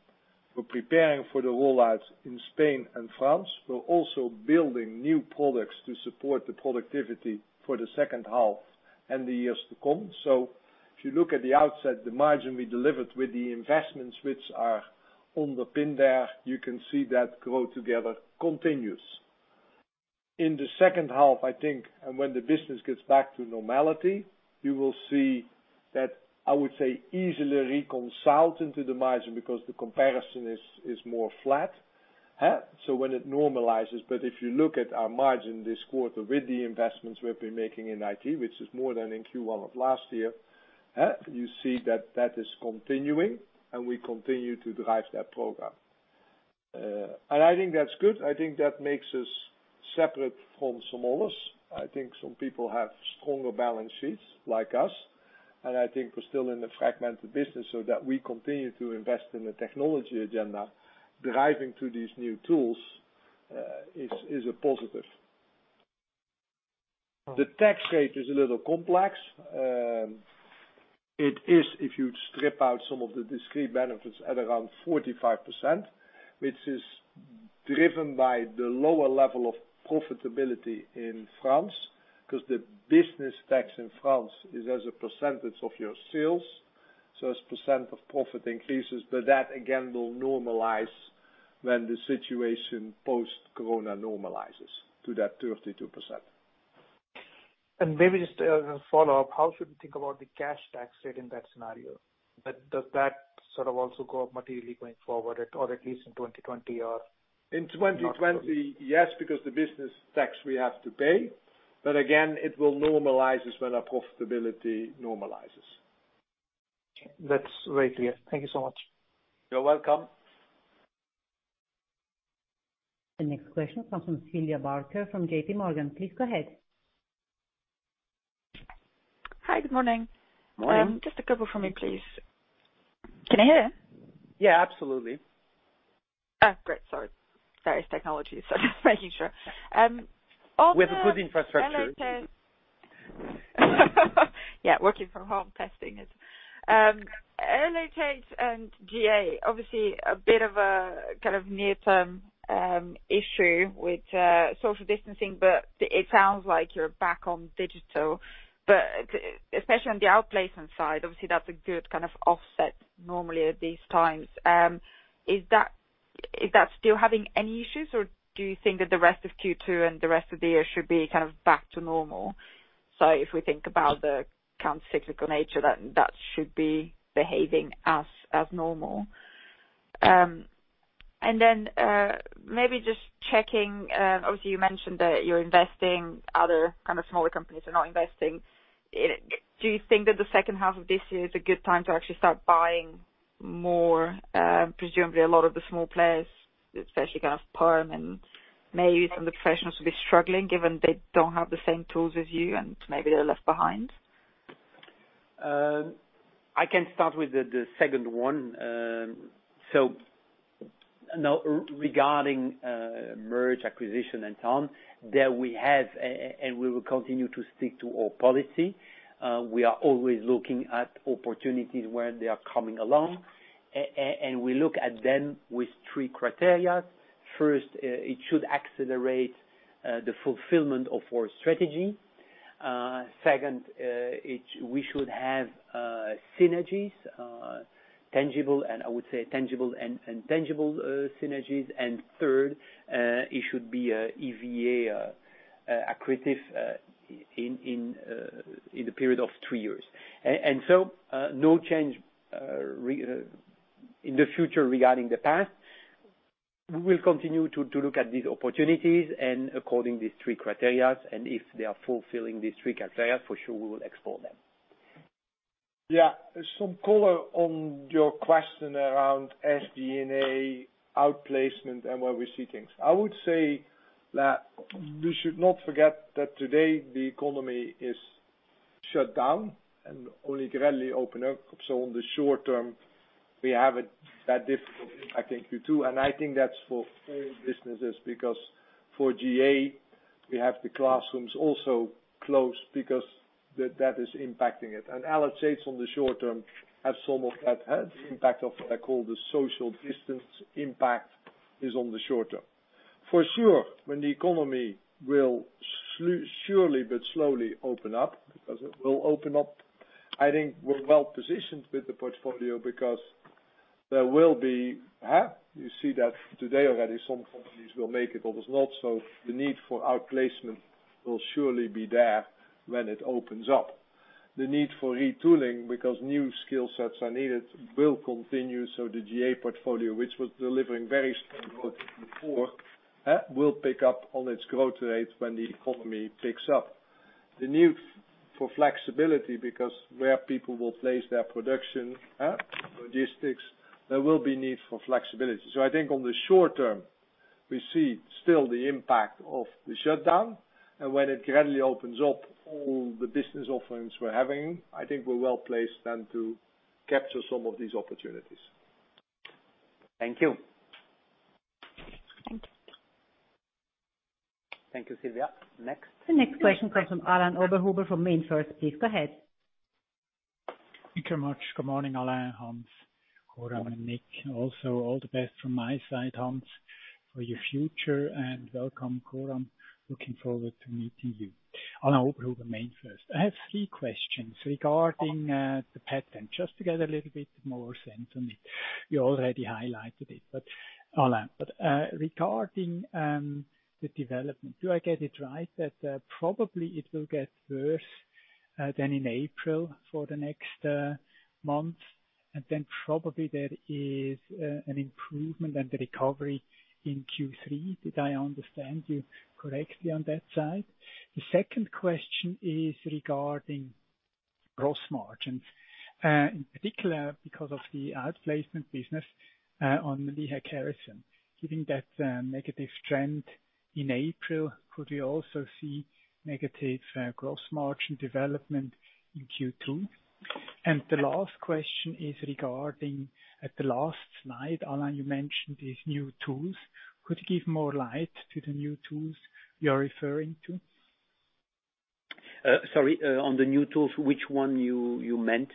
We're preparing for the rollouts in Spain and France. We're also building new products to support the productivity for the second half and the years to come. If you look at the outset, the margin we delivered with the investments which are underpinned there, you can see that GrowTogether continues. In the second half, I think, and when the business gets back to normality, you will see that, I would say easily reconsolidate into the margin because the comparison is more flat. When it normalizes, but if you look at our margin this quarter with the investments we've been making in IT, which is more than in Q1 2020 of last year, you see that that is continuing, and we continue to drive that program. I think that's good. I think that makes us separate from some others. I think some people have stronger balance sheets like us. I think we're still in the fragmented business so that we continue to invest in the technology agenda, driving through these new tools, is a positive. The tax rate is a little complex. It is, if you strip out some of the discrete benefits at around 45%, which is driven by the lower level of profitability in France, because the business tax in France is as a percentage of your sales. As percent of profit increases, but that again, will normalize when the situation post-corona normalizes to that 32%. Maybe just as a follow-up, how should we think about the cash tax rate in that scenario? Does that sort of also go up materially going forward or at least in 2020? In 2020, yes, because the business tax we have to pay. Again, it will normalize as when our profitability normalizes. That's very clear. Thank you so much. You're welcome. The next question comes from Sylvia Barker from JPMorgan. Please go ahead. Hi, good morning. Morning. Just a couple from me, please. Can I hear you? Yeah, absolutely. Oh, great. Sorry. Various technologies. Just making sure. We have a good infrastructure. Yeah, working from home testing is early takes and GA, obviously a bit of a near-term issue with social distancing, but it sounds like you're back on digital, but especially on the outplacement side, obviously, that's a good kind of offset normally at these times. Is that still having any issues, or do you think that the rest of Q2 and the rest of the year should be back to normal? If we think about the counter-cyclical nature, that should be behaving as normal. And then maybe just checking, obviously, you mentioned that you're investing, other kind of smaller companies are not investing. Do you think that the second half of this year is a good time to actually start buying more? Presumably a lot of the small players, especially kind of perm and maybe some of the professionals will be struggling, given they don't have the same tools as you, and maybe they're left behind. I can start with the second one. Regarding merge acquisition and so on, there we have, and we will continue to stick to our policy. We are always looking at opportunities where they are coming along, and we look at them with three criteria. First, it should accelerate the fulfillment of our strategy. Second, we should have synergies, tangible, and I would say tangible and intangible synergies, and third, it should be EVA accretive in the period of three years. And so no change in the future regarding the past. We will continue to look at these opportunities and according these three criteria, and if they are fulfilling these three criteria, for sure, we will explore them. Yeah. Some color on your question around SG&A outplacement and where we see things. I would say that we should not forget that today the economy is shut down and only gradually open up. On the short term, we have it that difficult, I think, Q2, and I think that's for all businesses, because for GA, we have the classrooms also closed because that is impacting it. Allocating on the short term has some of that impact of what I call the social distance impact is on the short term. For sure, when the economy will surely but slowly open up, because it will open up, I think we're well-positioned with the portfolio because there will be, you see that today already, some companies will make it, others not. The need for outplacement will surely be there when it opens up. The need for retooling because new skill sets are needed will continue, so the GA portfolio, which was delivering very strong growth before, will pick up on its growth rate when the economy picks up. The need for flexibility because where people will place their production, logistics, there will be need for flexibility. I think on the short term, we see still the impact of the shutdown, and when it gradually opens up all the business offerings we're having, I think we're well-placed then to capture some of these opportunities. Thank you. Thank you. Thank you, Sylvia. Next. The next question comes from Alain Oberhuber from MainFirst. Please go ahead. Thank you very much. Good morning, Alain, Hans, Coram, and Nick. All the best from my side, Hans, for your future, and welcome, Coram. Looking forward to meeting you. Alain Oberhuber, MainFirst. I have three questions regarding the pattern, just to get a little bit more sense on it. You already highlighted it, Alain. Regarding the development, do I get it right that probably it will get worse than in April for the next month, and then probably there is an improvement and the recovery in Q3? Did I understand you correctly on that side? The second question is regarding gross margins, in particular because of the outplacement business on the Lee Hecht Harrison. Given that negative trend in April, could we also see negative gross margin development in Q2? The last question is regarding at the last slide, Alain, you mentioned these new tools. Could you give more light to the new tools you're referring to? Sorry. On the new tools, which one you meant?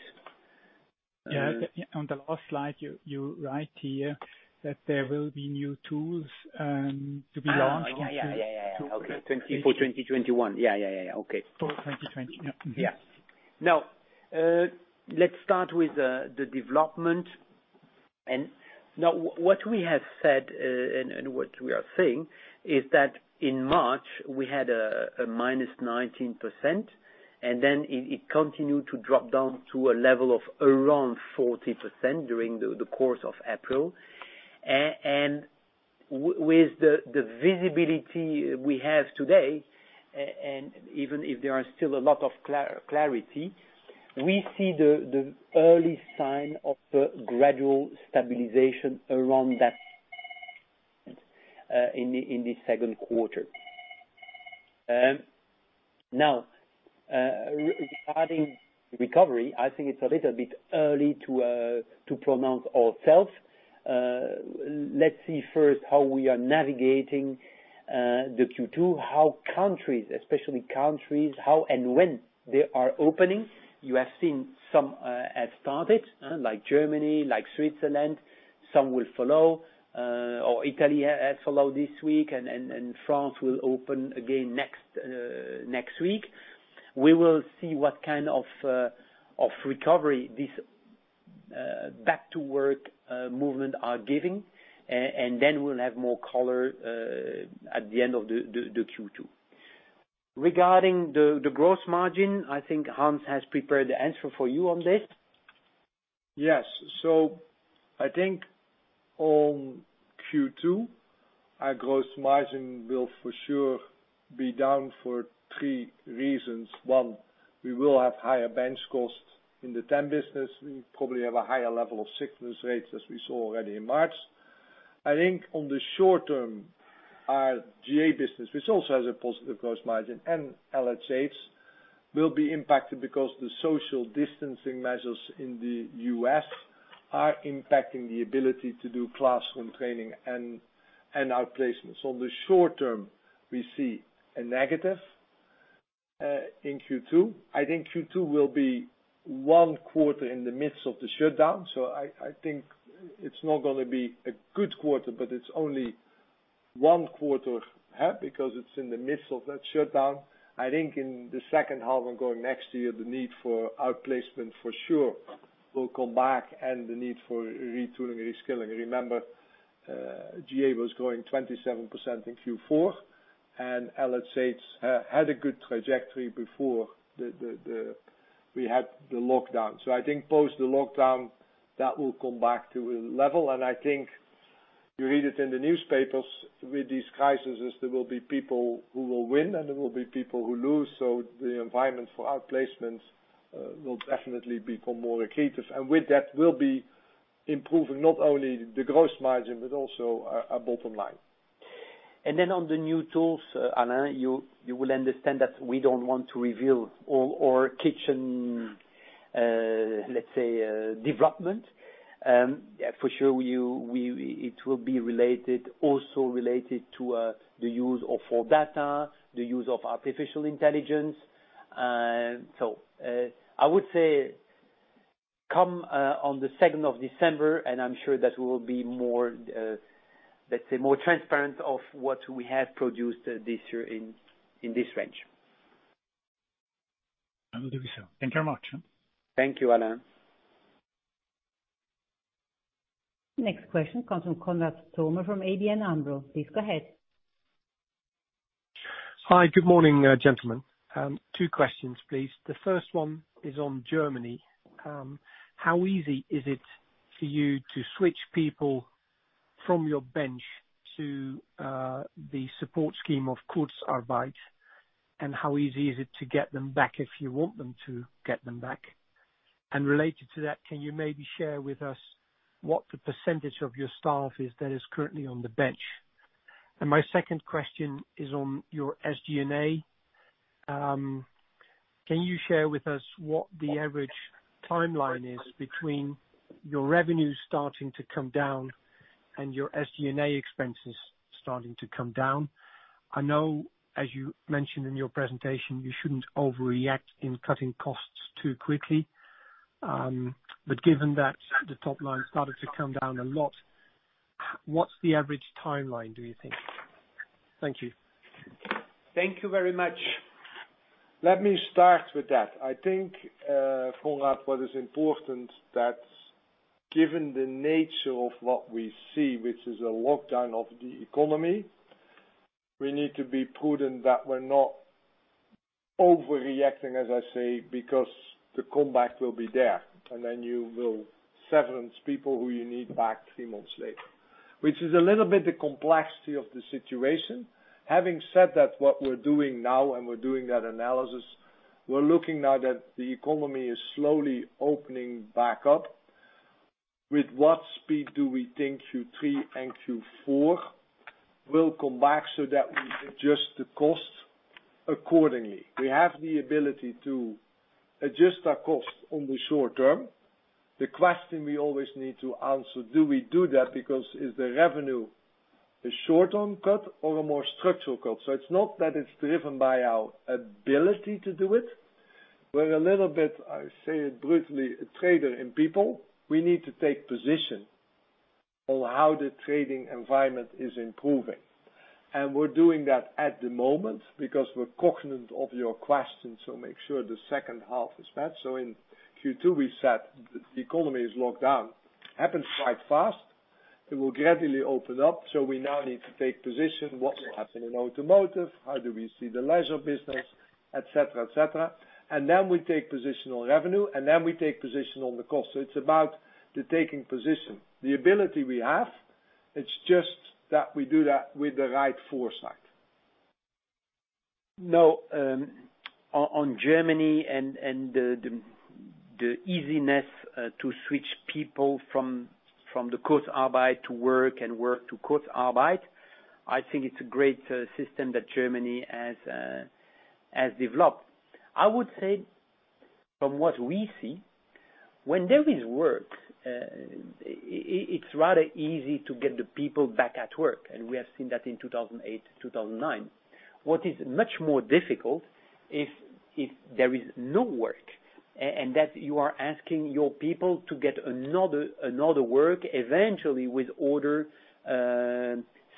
Yeah. On the last slide, you write here that there will be new tools to be launched. Yeah. Okay. For 2021. Yeah. Okay. For 2020. Yeah. Yeah. Let's start with the development. What we have said, and what we are saying is that in March, we had a -19%, and then it continued to drop down to a level of around 40% during the course of April. With the visibility we have today, and even if there are still a lot of clarity, we see the early sign of gradual stabilization around that in the second quarter. Now regarding recovery, I think it's a little bit early to pronounce ourselves. Let's see first how we are navigating the Q2, how countries, especially, how and when they are opening. You have seen some have started, like Germany, like Switzerland, some will follow, Italy has followed this week, and France will open again next week. We will see what kind of recovery this back-to-work movement are giving, and then we'll have more color at the end of the Q2. Regarding the gross margin, I think Hans has prepared the answer for you on this. Yes. I think on Q2, our gross margin will for sure be down for three reasons. One, we will have higher bench costs in the temp business. We probably have a higher level of sickness rates as we saw already in March. I think on the short term, our GA business, which also has a positive gross margin, and LHH will be impacted because the social distancing measures in the U.S. are impacting the ability to do classroom training and out placements. On the short term, we see a negative in Q2. I think Q2 will be one quarter in the midst of the shutdown. I think it's not going to be a good quarter, but it's only one quarter, because it's in the midst of that shutdown. I think in the second half and going next year, the need for outplacement for sure will come back and the need for retooling, reskilling. Remember, GA was growing 27% in Q4, and LHH had a good trajectory before we had the lockdown. I think post the lockdown, that will come back to a level. I think you read it in the newspapers, with these crises, there will be people who will win, and there will be people who lose. The environment for outplacement will definitely become more accretive. With that, we'll be improving not only the gross margin, but also our bottom line. And then on the new tools, Alain, you will understand that we don't want to reveal all our kitchen, let's say, development. For sure, it will be also related to the use of more data, the use of artificial intelligence. I would say, come on the 2nd of December, and I'm sure that we will be more, let's say, transparent of what we have produced this year in this range. I will do so. Thank you very much. Thank you, Alain. Next question comes from Konrad Zomer from ABN AMRO. Please go ahead. Hi. Good morning, gentlemen. Two questions, please. The first one is on Germany. How easy is it for you to switch people from your bench to the support scheme of Kurzarbeit, and how easy is it to get them back if you want them to get them back? Related to that, can you maybe share with us what the percentage of your staff is that is currently on the bench? My second question is on your SG&A. Can you share with us what the average timeline is between your revenues starting to come down and your SG&A expenses starting to come down? I know, as you mentioned in your presentation, you shouldn't overreact in cutting costs too quickly. Given that the top line started to come down a lot, what's the average timeline, do you think? Thank you. Thank you very much. Let me start with that. I think, Konrad, what is important that given the nature of what we see, which is a lockdown of the economy, we need to be prudent that we're not overreacting, as I say, because the comeback will be there. You will severance people who you need back three months later, which is a little bit the complexity of the situation. Having said that, what we're doing now, and we're doing that analysis, we're looking now that the economy is slowly opening back up. With what speed do we think Q3 and Q4 will come back so that we adjust the cost accordingly? We have the ability to adjust our cost on the short term. The question we always need to answer, do we do that because is the revenue a short-term cut or a more structural cut? It's not that it's driven by our ability to do it. We're a little bit, I say it brutally, a trader in people. We need to take position on how the trading environment is improving. We're doing that at the moment because we're cognizant of your question, so make sure the second half is met. In Q2, we said the economy is locked down, happens quite fast. It will gradually open up. We now need to take position, what will happen in automotive, how do we see the leisure business, et cetera. Then we take position on revenue, then we take position on the cost. It's about the taking position. The ability we have, it's just that we do that with the right foresight. On Germany and the easiness to switch people from the Kurzarbeit to work and work to Kurzarbeit, I think it's a great system that Germany has developed. I would say from what we see, when there is work, it's rather easy to get the people back at work, and we have seen that in 2008, 2009. What is much more difficult is if there is no work, and that you are asking your people to get another work eventually with other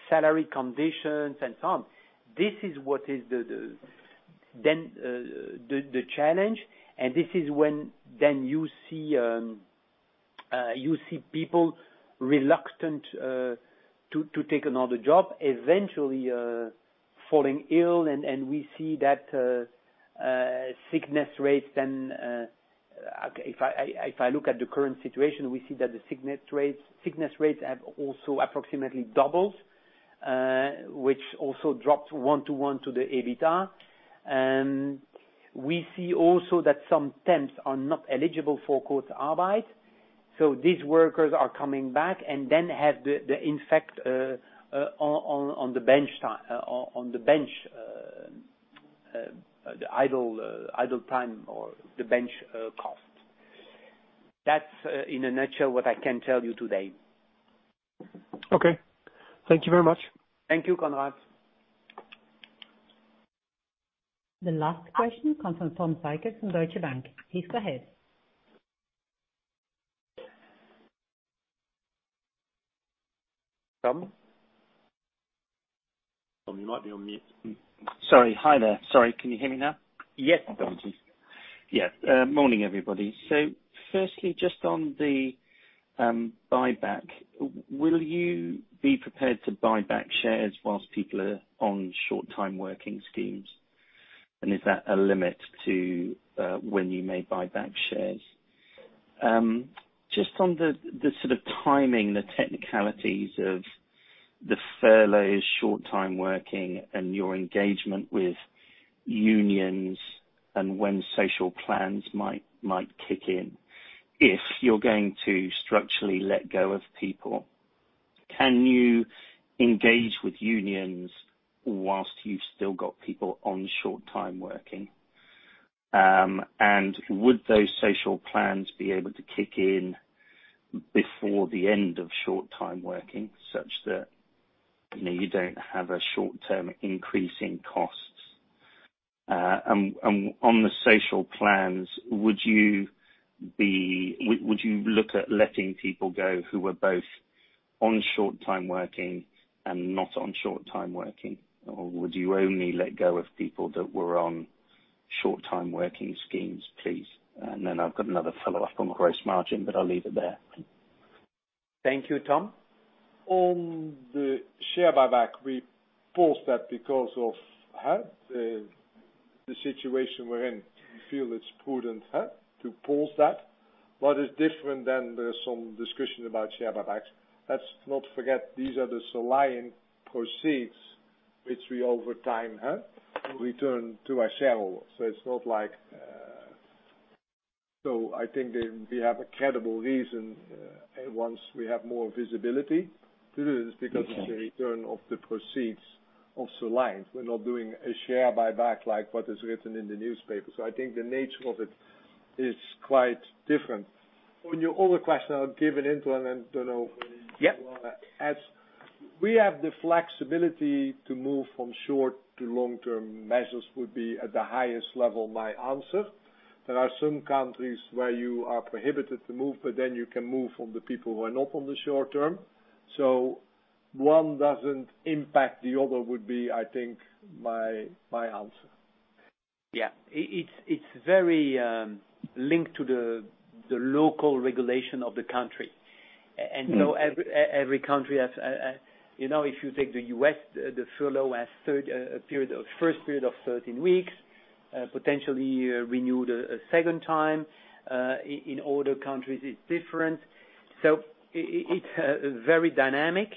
salary conditions and so on. This is what is the challenge, and this is when then you see people reluctant to take another job, eventually falling ill, and we see that sickness rates. If I look at the current situation, we see that the sickness rates have also approximately doubled, which also dropped one to one to the EBITDA. And we see also that some temps are not eligible for Kurzarbeit. These workers are coming back and then have the effect on the idle time or the bench cost. That's in a nutshell what I can tell you today. Okay. Thank you very much. Thank you, Konrad. The last question comes from Tom Sykes from Deutsche Bank. Please go ahead. Tom? Tom, you might be on mute. Sorry. Hi there. Sorry, can you hear me now? Yes. Morning, everybody. Firstly, just on the buyback, will you be prepared to buy back shares whilst people are on short-time working schemes? Is that a limit to when you may buy back shares? Just on the sort of timing, the technicalities of the furloughs, short-time working and your engagement with unions and when social plans might kick in. If you're going to structurally let go of people, can you engage with unions whilst you've still got people on short-time working? Would those social plans be able to kick in before the end of short-time working, such that you don't have a short-term increase in costs? On the social plans, would you look at letting people go who were both on short-time working and not on short-time working? Would you only let go of people that were on short-time working schemes, please? And then I've got another follow-up on gross margin, but I'll leave it there. Thank you, Tom. On the share buyback, we paused that because of the situation we're in. We feel it's prudent to pause that. What is different than the some discussion about share buybacks, let's not forget, these are the Soliant proceeds, which we over time return to our shareholders. I think that we have a credible reason once we have more visibility to do this because it's the return of the proceeds of Soliant. We're not doing a share buyback like what is written in the newspaper. I think the nature of it is quite different. On your other question, I'll give it to Alain, and don't know when he will. Yeah. As we have the flexibility to move from short to long-term measures would be at the highest level my answer. There are some countries where you are prohibited to move. You can move from the people who are not on the short term. One doesn't impact the other would be, I think my answer. Yeah. It's very linked to the local regulation of the country. Every country has, if you take the U.S., the furlough has first period of 13 weeks, potentially renewed a second time. In other countries it's different. It's very dynamic.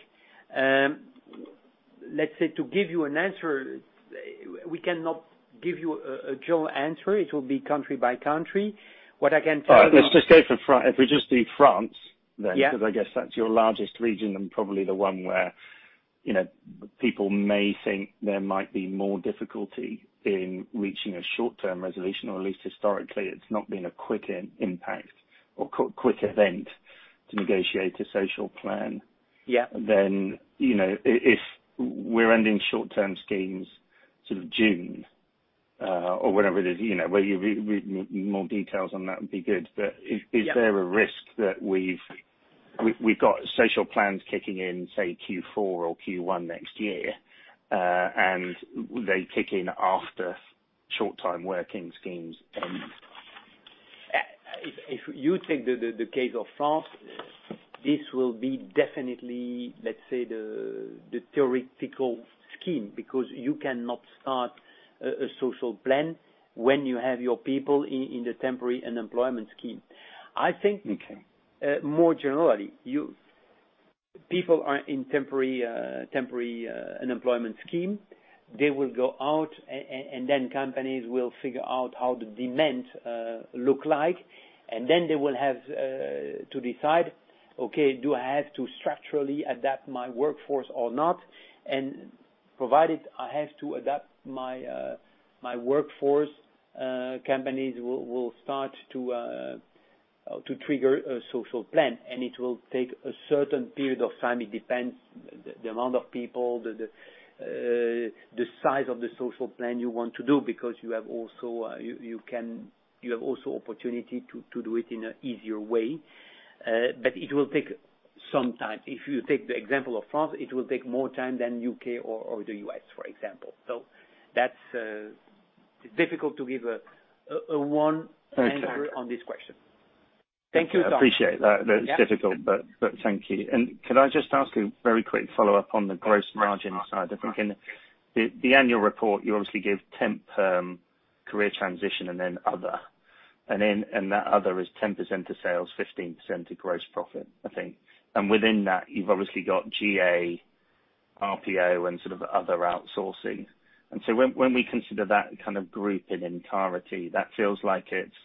Let's say to give you an answer, we cannot give you a general answer. It will be country by country. All right. Let's just go for France. Yeah. Because I guess that's your largest region and probably the one where people may think there might be more difficulty in reaching a short-term resolution, or at least historically, it's not been a quick impact or quick event to negotiate a social plan. Yeah. If we're ending short-term schemes sort of June, or whenever it is, where you read more details on that would be good. Yeah. Is there a risk that we've got social plans kicking in, say Q4 or Q1 next year, and they kick in after short-time working schemes end? If you take the case of France, this will be definitely, let's say, the theoretical scheme because you cannot start a social plan when you have your people in the temporary unemployment scheme. Okay. I think, more generally, people are in temporary unemployment scheme. They will go out, and then companies will figure out how the demand look like, and then they will have to decide, okay, do I have to structurally adapt my workforce or not? And provided I have to adapt my workforce, companies will start to trigger a social plan, and it will take a certain period of time. It depends the amount of people, the size of the social plan you want to do, because you have also opportunity to do it in a easier way. It will take some time. If you take the example of France, it will take more time than U.K. or the U.S., for example. It's difficult to give a one answer. Okay On this question. Thank you, Tom. I appreciate that. Yeah. That it's difficult, thank you. Could I just ask a very quick follow-up on the gross margin side of things? In the annual report, you obviously give temp, career transition, then other. That other is 10% to sales, 15% to gross profit, I think. Within that, you've obviously got GA, RPO, and sort of other outsourcing. When we consider that kind of group in entirety, that feels like it's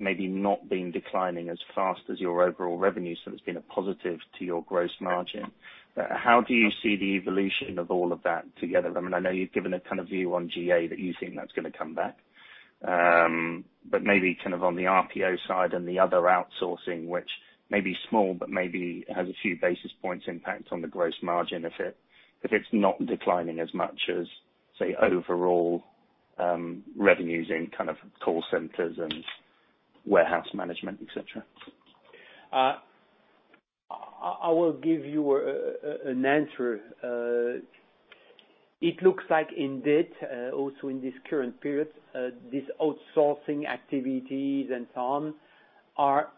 maybe not been declining as fast as your overall revenue, so it's been a positive to your gross margin. How do you see the evolution of all of that together? I know you've given a kind of view on GA that you think that's gonna come back. Maybe kind of on the RPO side and the other outsourcing, which may be small, but maybe has a few basis points impact on the gross margin if it's not declining as much as, say, overall revenues in kind of call centers and warehouse management, et cetera. I will give you an answer. It looks like indeed, also in this current period, this outsourcing activities and some are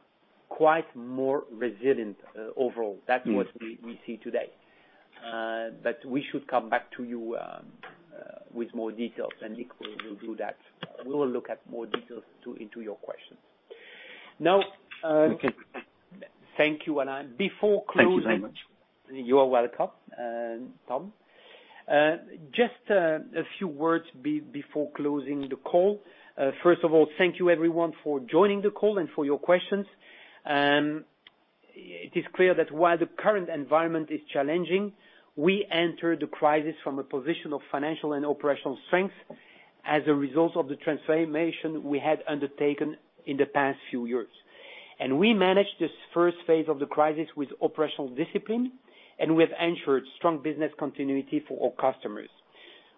quite more resilient overall. That's what we see today. We should come back to you with more details, and Nico will do that. We will look at more details into your questions. Okay Thank you. Thank you very much. You are welcome, Tom. Just a few words before closing the call. First of all, thank you everyone for joining the call and for your questions. It is clear that while the current environment is challenging, we enter the crisis from a position of financial and operational strength as a result of the transformation we had undertaken in the past few years. And we managed this first phase of the crisis with operational discipline, and we have ensured strong business continuity for our customers.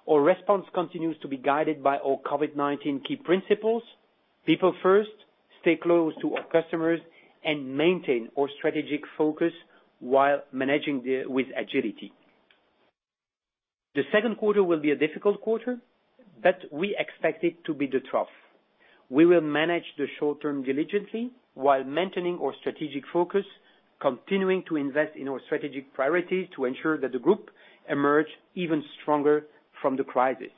Our response continues to be guided by our COVID-19 key principles. People first, stay close to our customers, and maintain our strategic focus while managing with agility. The second quarter will be a difficult quarter, but we expect it to be the trough. We will manage the short term diligently while maintaining our strategic focus, continuing to invest in our strategic priorities to ensure that the group emerge even stronger from the crisis.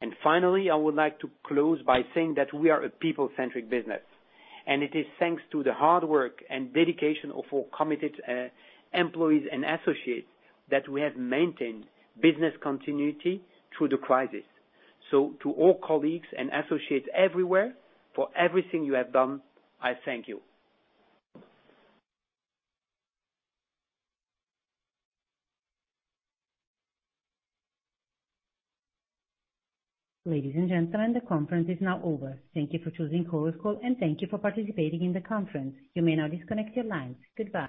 And finally, I would like to close by saying that we are a people-centric business, and it is thanks to the hard work and dedication of our committed employees and associates that we have maintained business continuity through the crisis. To all colleagues and associates everywhere, for everything you have done, I thank you. Ladies and gentlemen, the conference is now over. Thank you for choosing Chorus Call, and thank you for participating in the conference. You may now disconnect your lines. Goodbye.